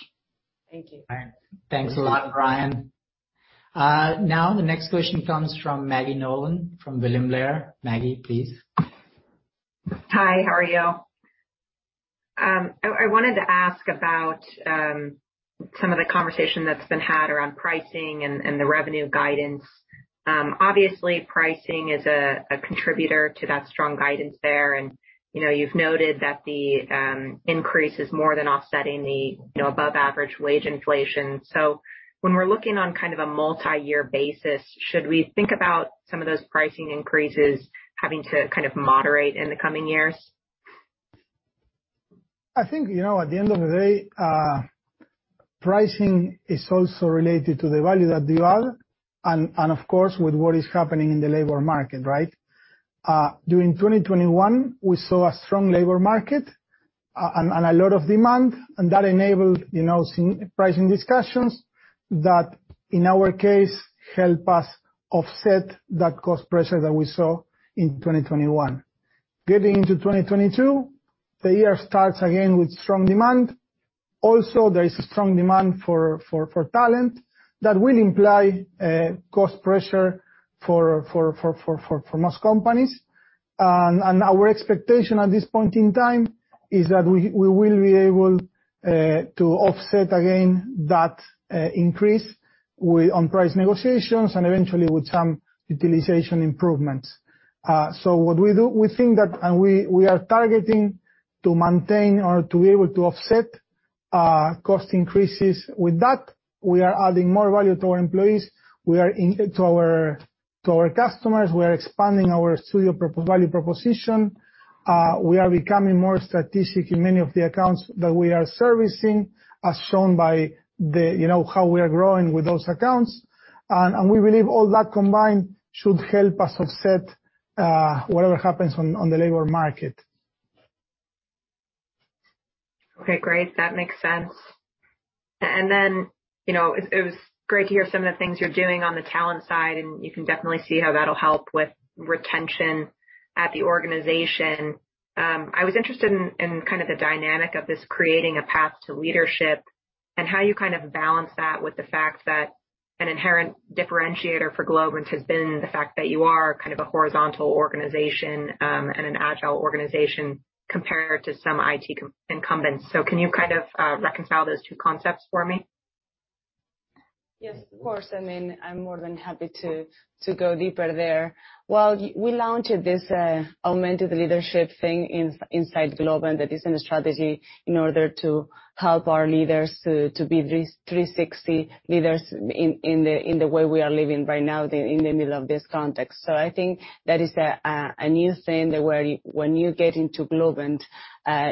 Thank you. All right. Thanks a lot, Bryan. Now the next question comes from Maggie Nolan from William Blair. Maggie, please. Hi, how are you? I wanted to ask about some of the conversation that's been had around pricing and the revenue guidance. Obviously pricing is a contributor to that strong guidance there. You know, you've noted that the increase is more than offsetting the, you know, above average wage inflation. When we're looking on kind of a multi-year basis, should we think about some of those pricing increases having to kind of moderate in the coming years? I think, you know, at the end of the day, pricing is also related to the value that you are and of course with what is happening in the labor market, right? During 2021 we saw a strong labor market and a lot of demand, and that enabled, you know, some pricing discussions that in our case help us offset that cost pressure that we saw in 2021. Getting into 2022, the year starts again with strong demand. Also, there is strong demand for talent that will imply cost pressure for most companies. Our expectation at this point in time is that we will be able to offset again that increase with price negotiations and eventually with some utilization improvements. What we do, we think that... We are targeting to maintain or to be able to offset cost increases. With that, we are adding more value to our employees and to our customers. We are expanding our studio value proposition. We are becoming more strategic in many of the accounts that we are servicing, as shown by, you know, how we are growing with those accounts. We believe all that combined should help us offset whatever happens on the labor market. Okay, great. That makes sense. You know, it was great to hear some of the things you're doing on the talent side, and you can definitely see how that'll help with retention at the organization. I was interested in kind of the dynamic of this creating a path to leadership and how you kind of balance that with the fact that an inherent differentiator for Globant has been the fact that you are kind of a horizontal organization, and an agile organization compared to some IT incumbents. Can you kind of reconcile those two concepts for me? Yes, of course. I mean, I'm more than happy to go deeper there. Well, we launched this augmented leadership thing inside Globant that is in the strategy in order to help our leaders to be three sixty leaders in the way we are living right now in the middle of this context. I think that is a new thing that when you get into Globant,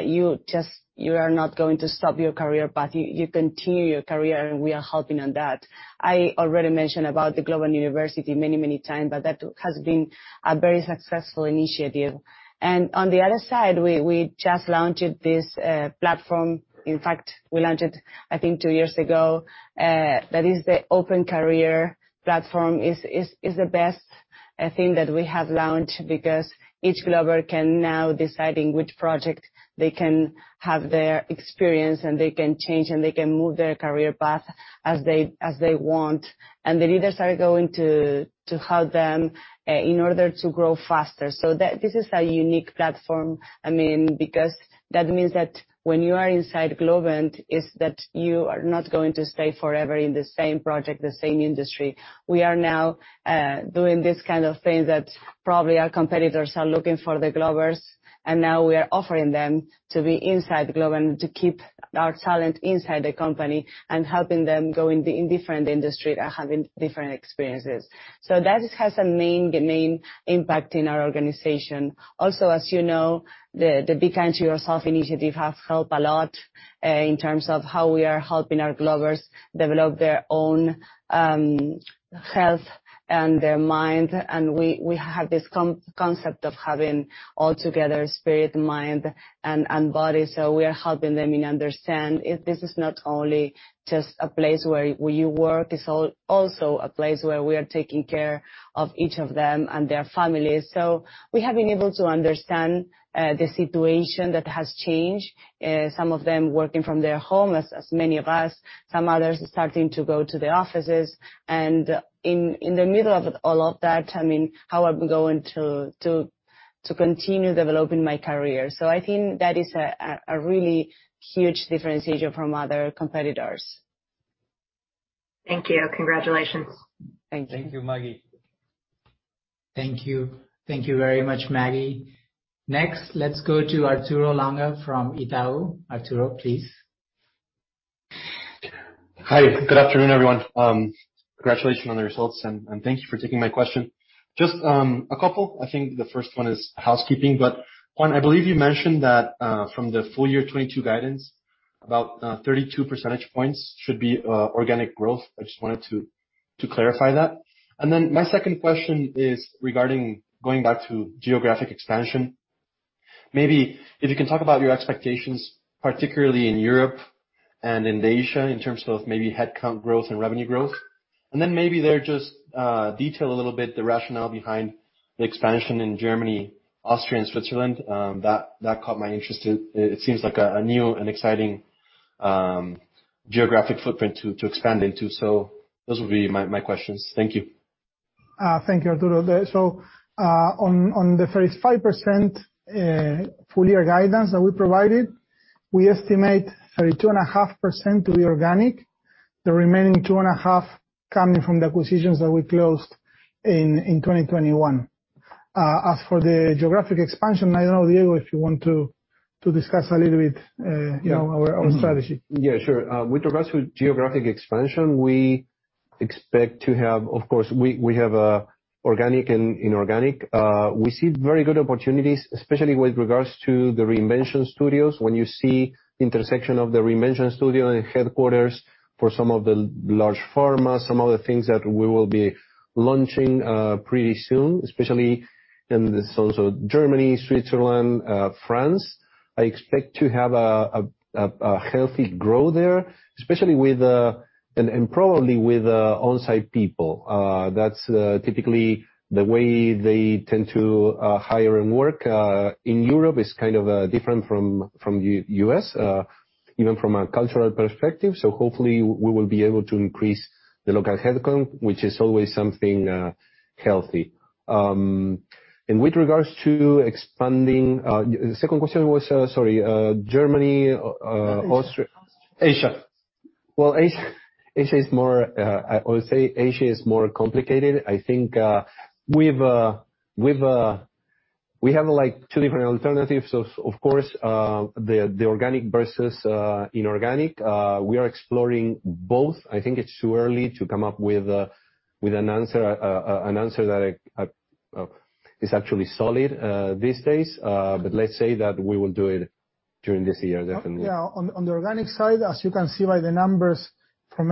you just you are not going to stop your career path, you continue your career, and we are helping on that. I already mentioned about the Globant University many times, but that has been a very successful initiative. On the other side, we just launched this platform. In fact, we launched it, I think, two years ago. That is the Open Career platform. It is the best, I think, that we have launched because each Glober can now deciding which project they can have their experience and they can change and they can move their career path as they want. The leaders are going to help them in order to grow faster. This is a unique platform, I mean, because that means that when you are inside Globant, it is that you are not going to stay forever in the same project, the same industry. We are now doing this kind of thing that probably our competitors are looking for the Globers, and now we are offering them to be inside Globant, to keep our talent inside the company and helping them go in different industry and having different experiences. That has a main impact in our organization. As you know, the Be Kind to Yourself initiative have helped a lot in terms of how we are helping our Globers develop their own health and their mind. We have this concept of having all together spirit, mind, and body. We are helping them understand this is not only just a place where you work, it's also a place where we are taking care of each of them and their families. We have been able to understand the situation that has changed, some of them working from their home, as many of us, some others starting to go to the offices. In the middle of all of that, I mean, how am I going to continue developing my career? I think that is a really huge differentiation from other competitors. Thank you. Congratulations. Thank you. Thank you, Maggie. Thank you. Thank you very much, Maggie. Next, let's go to Arturo Lange from Itaú. Arturo, please. Hi, good afternoon, everyone. Congratulations on the results, and thank you for taking my question. Just a couple. I think the first one is housekeeping, but Juan, I believe you mentioned that from the full year 2022 guidance, about 32 percentage points should be organic growth. I just wanted to clarify that. My second question is regarding going back to geographic expansion. Maybe if you can talk about your expectations, particularly in Europe and in Asia, in terms of maybe headcount growth and revenue growth. Maybe there just detail a little bit the rationale behind the expansion in Germany, Austria, and Switzerland. That caught my interest. It seems like a new and exciting geographic footprint to expand into. Those would be my questions. Thank you. Thank you, Arturo. On the 35% full year guidance that we provided, we estimate 32.5% to be organic. The remaining 2.5 coming from the acquisitions that we closed in 2021. As for the geographic expansion, I don't know, Diego, if you want to discuss a little bit, you know, our strategy. Yeah, sure. With regards to geographic expansion, we expect to have, of course, organic and inorganic. We see very good opportunities, especially with regards to the Reinvention Studios. When you see intersection of the Reinvention Studio and Headquarters for some of the large pharma, some of the things that we will be launching pretty soon, especially in Germany, Switzerland, France. I expect to have a healthy growth there, especially with and probably with on-site people. That's typically the way they tend to hire and work in Europe. It's kind of different from U.S., even from a cultural perspective. Hopefully we will be able to increase the local headcount, which is always something healthy. And with regards to expanding. The second question was, sorry, Germany, Austria. Asia. Well, Asia is more complicated. I think we have, like, two different alternatives of course, the organic versus inorganic. We are exploring both. I think it's too early to come up with an answer that is actually solid these days. Let's say that we will do it during this year, definitely. On the organic side, as you can see by the numbers from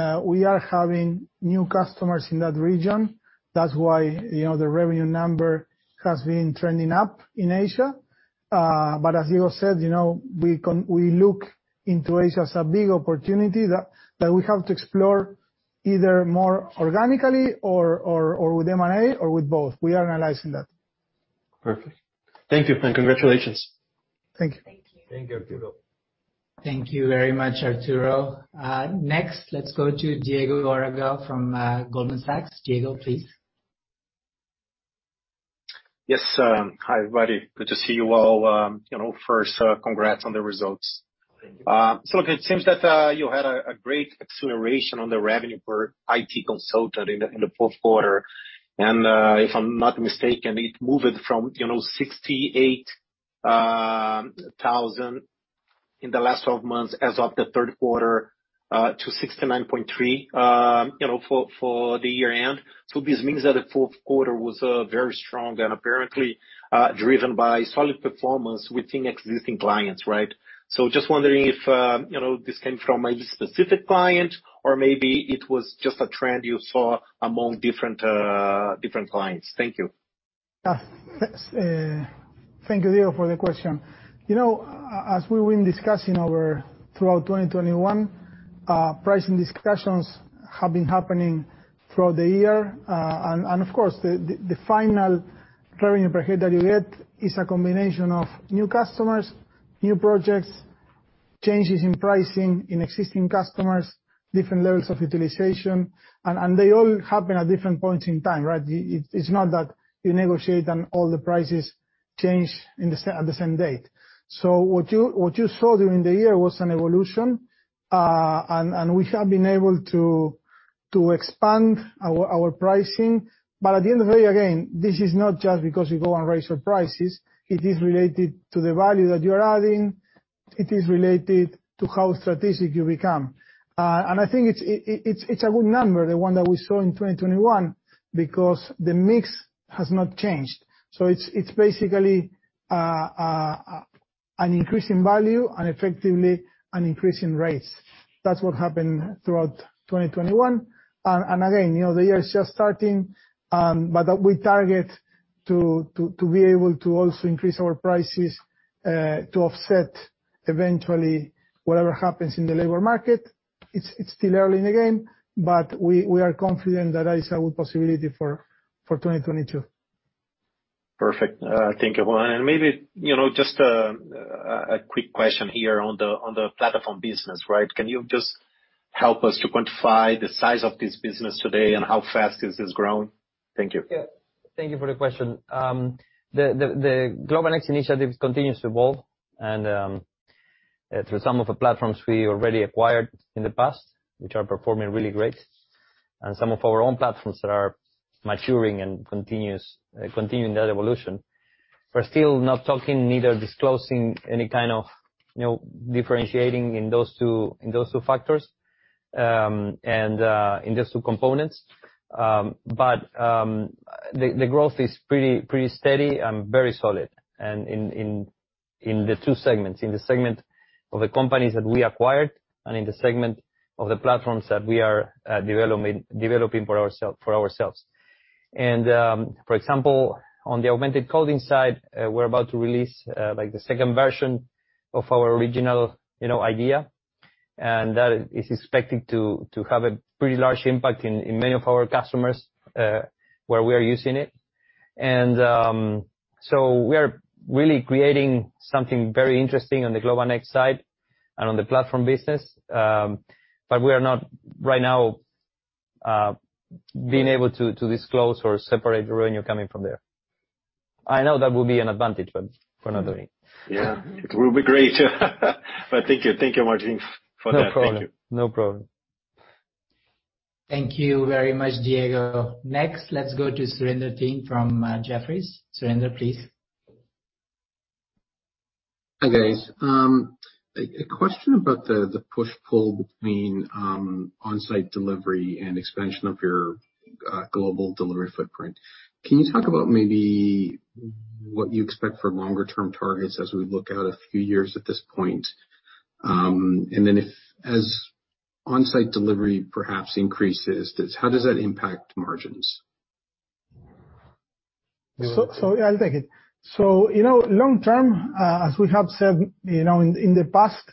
Asia, we are having new customers in that region. That's why, you know, the revenue number has been trending up in Asia. But as Diego said, you know, we look into Asia as a big opportunity that we have to explore either more organically or with M&A, or with both. We are analyzing that. Perfect. Thank you. Congratulations. Thank you. Thank you. Thank you, Arturo. Thank you very much, Arturo. Next, let's go to Diego Aragao from Goldman Sachs. Diego, please. Yes. Hi, everybody. Good to see you all. You know, first, congrats on the results. Thank you. It seems that you had a great acceleration on the revenue per IT consultant in the fourth quarter. If I'm not mistaken, it moved from you know $68 thousand in the last 12 months as of the third quarter to $69.3 thousand you know for the year end. This means that the fourth quarter was very strong and apparently driven by solid performance within existing clients, right? Just wondering if you know this came from a specific client or maybe it was just a trend you saw among different clients. Thank you. Thank you, Diego, for the question. You know, as we've been discussing throughout 2021, pricing discussions have been happening throughout the year. And of course, the final revenue per head that you get is a combination of new customers, new projects, changes in pricing in existing customers, different levels of utilization, and they all happen at different points in time, right? It's not that you negotiate and all the prices change at the same date. What you saw during the year was an evolution, and we have been able to expand our pricing. At the end of the day, again, this is not just because you go and raise your prices. It is related to the value that you're adding. It is related to how strategic you become. I think it's a good number, the one that we saw in 2021, because the mix has not changed. It's basically an increase in value and effectively an increase in rates. That's what happened throughout 2021. Again, you know, the year is just starting, but we target to be able to also increase our prices to offset eventually whatever happens in the labor market. It's still early in the game, but we are confident that that is a good possibility for 2022. Perfect. Thank you. Maybe, you know, just a quick question here on the Platform business, right? Can you just help us to quantify the size of this business today and how fast is this growing? Thank you. Yeah. Thank you for the question. The Globant X initiative continues to evolve and through some of the platforms we already acquired in the past, which are performing really great, and some of our own platforms that are maturing and continuing that evolution. We're still not talking, neither disclosing any kind of, you know, differentiating in those two factors and in those two components. The growth is pretty steady and very solid. In the two segments, in the segment of the companies that we acquired and in the segment of the platforms that we are developing for ourselves. For example, on the Augmented Coding side, we're about to release, like, the second version of our original, you know, idea. That is expected to have a pretty large impact in many of our customers, where we are using it. We are really creating something very interesting on the Globant X side and on the Platform business. We are not right now being able to disclose or separate the revenue coming from there. I know that would be an advantage, but for another day. Yeah. It will be great. Thank you. Thank you, Martín, for that. No problem. No problem. Thank you very much, Diego. Next, let's go to Surinder Thind from Jefferies. Surinder, please. Hi, guys. A question about the push-pull between on-site delivery and expansion of your global delivery footprint. Can you talk about maybe what you expect for longer term targets as we look out a few years at this point? And then if on-site delivery perhaps increases, how does that impact margins? I'll take it. You know, long term, as we have said, you know, in the past,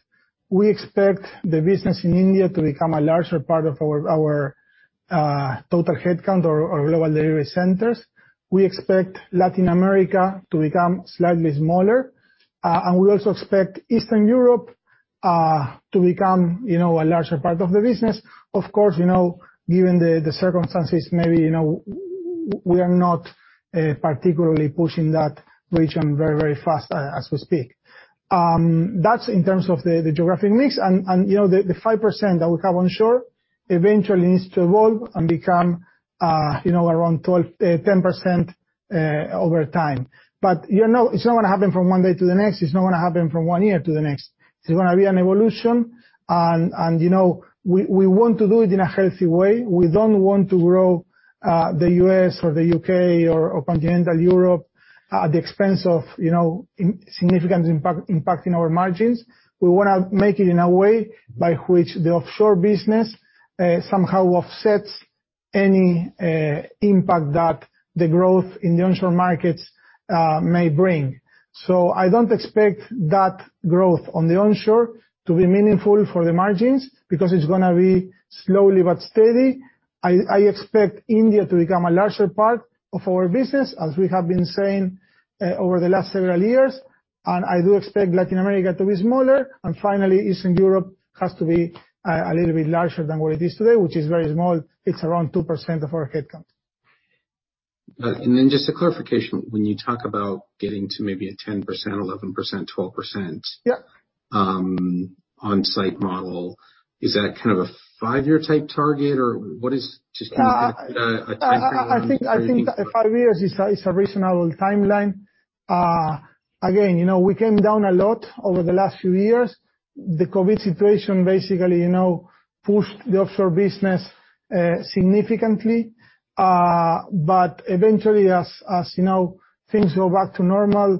we expect the business in India to become a larger part of our total headcount or global delivery centers. We expect Latin America to become slightly smaller. We also expect Eastern Europe to become you know, a larger part of the business. Of course, you know, given the circumstances, maybe, you know, we are not particularly pushing that region very fast as we speak. That's in terms of the geographic mix and you know, the 5% that we have onshore eventually needs to evolve and become you know, around 10%-12% over time. You know, it's not gonna happen from one day to the next. It's not gonna happen from one year to the next. It's gonna be an evolution. You know, we want to do it in a healthy way. We don't want to grow the U.S. or the U.K. or continental Europe at the expense of, you know, significant impact, impacting our margins. We wanna make it in a way by which the offshore business somehow offsets any impact that the growth in the onshore markets may bring. I don't expect that growth on the onshore to be meaningful for the margins because it's gonna be slowly but steady. I expect India to become a larger part of our business, as we have been saying over the last several years. I do expect Latin America to be smaller. Finally, Eastern Europe has to be a little bit larger than what it is today, which is very small. It's around 2% of our headcount. Just a clarification. When you talk about getting to maybe a 10%, 11%, 12%. Yeah. On-site model, is that kind of a five-year type target or what is. Just kind of get a timeframe on? I think five years is a reasonable timeline. Again, you know, we came down a lot over the last few years. The COVID situation basically, you know, pushed the offshore business significantly. Eventually, as you know, things go back to normal,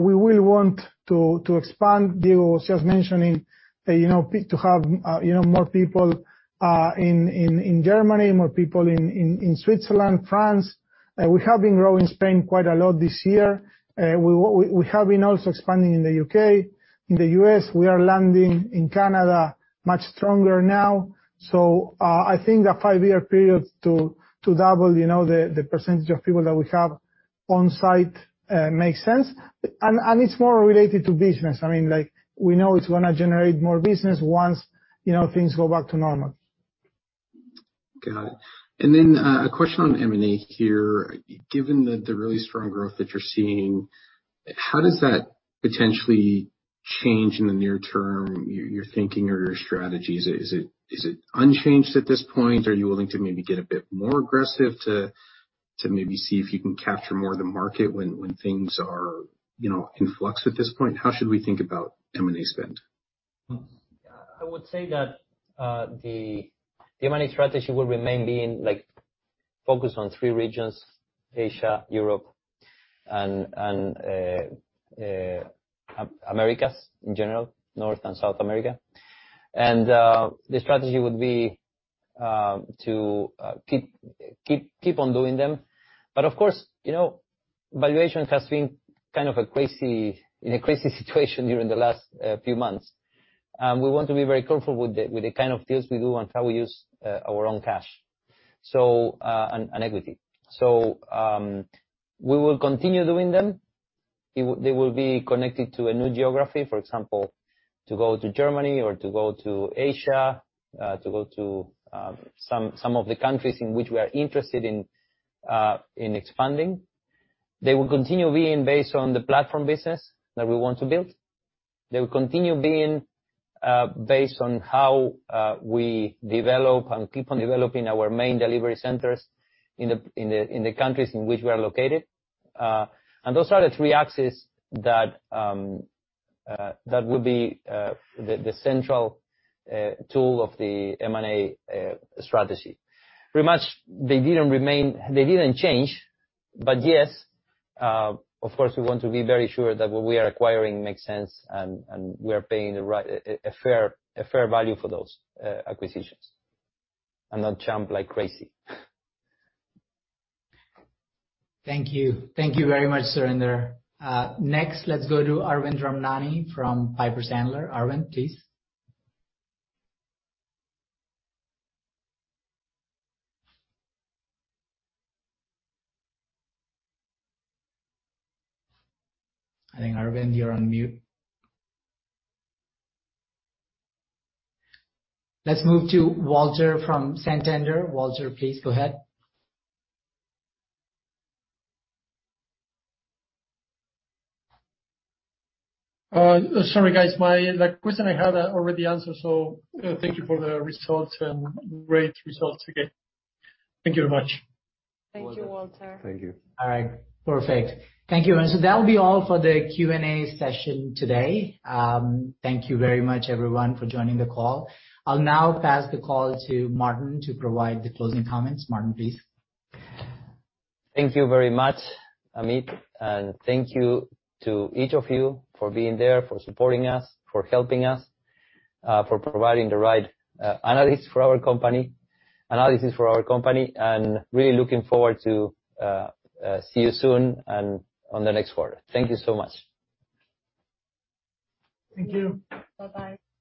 we will want to expand. Diego was just mentioning, you know, to have, you know, more people in Germany, more people in Switzerland, France. We have been growing in Spain quite a lot this year. We have been also expanding in the U.K., in the U.S. We are landing in Canada much stronger now. I think a five-year period to double, you know, the percentage of people that we have on-site makes sense. It's more related to business. I mean, like, we know it's gonna generate more business once, you know, things go back to normal. Got it. A question on M&A here. Given the really strong growth that you're seeing, how does that potentially change in the near term, your thinking or your strategies? Is it unchanged at this point? Are you willing to maybe get a bit more aggressive to maybe see if you can capture more of the market when things are, you know, in flux at this point? How should we think about M&A spend? I would say that the M&A strategy will remain being, like, focused on three regions, Asia, Europe and Americas in general, North and South America. The strategy would be to keep on doing them. But of course, you know, valuation has been kind of crazy in a crazy situation during the last few months. We want to be very careful with the kind of deals we do and how we use our own cash, so and equity. We will continue doing them. They will be connected to a new geography, for example, to go to Germany or to go to Asia, to go to some of the countries in which we are interested in expanding. They will continue being based on the Platform business that we want to build. They will continue being based on how we develop and keep on developing our main delivery centers in the countries in which we are located. Those are the three axes that will be the central tool of the M&A strategy. Pretty much, they didn't change. Yes, of course, we want to be very sure that what we are acquiring makes sense and we are paying the right, a fair value for those acquisitions, and not jump like crazy. Thank you. Thank you very much, Surinder. Next, let's go to Arvind Ramnani from Piper Sandler. Arvind, please. I think, Arvind, you're on mute. Let's move to Walter from Santander. Walter, please go ahead. Sorry, guys. The question I had already answered, so thank you for the results and great results again. Thank you very much. Thank you, Walter. Thank you. All right. Perfect. Thank you. That'll be all for the Q&A session today. Thank you very much, everyone, for joining the call. I'll now pass the call to Martín to provide the closing comments. Martín, please. Thank you very much, Amit, and thank you to each of you for being there, for supporting us, for helping us, for providing the right analysis for our company, and really looking forward to see you soon and on the next quarter. Thank you so much. Thank you. Bye-bye.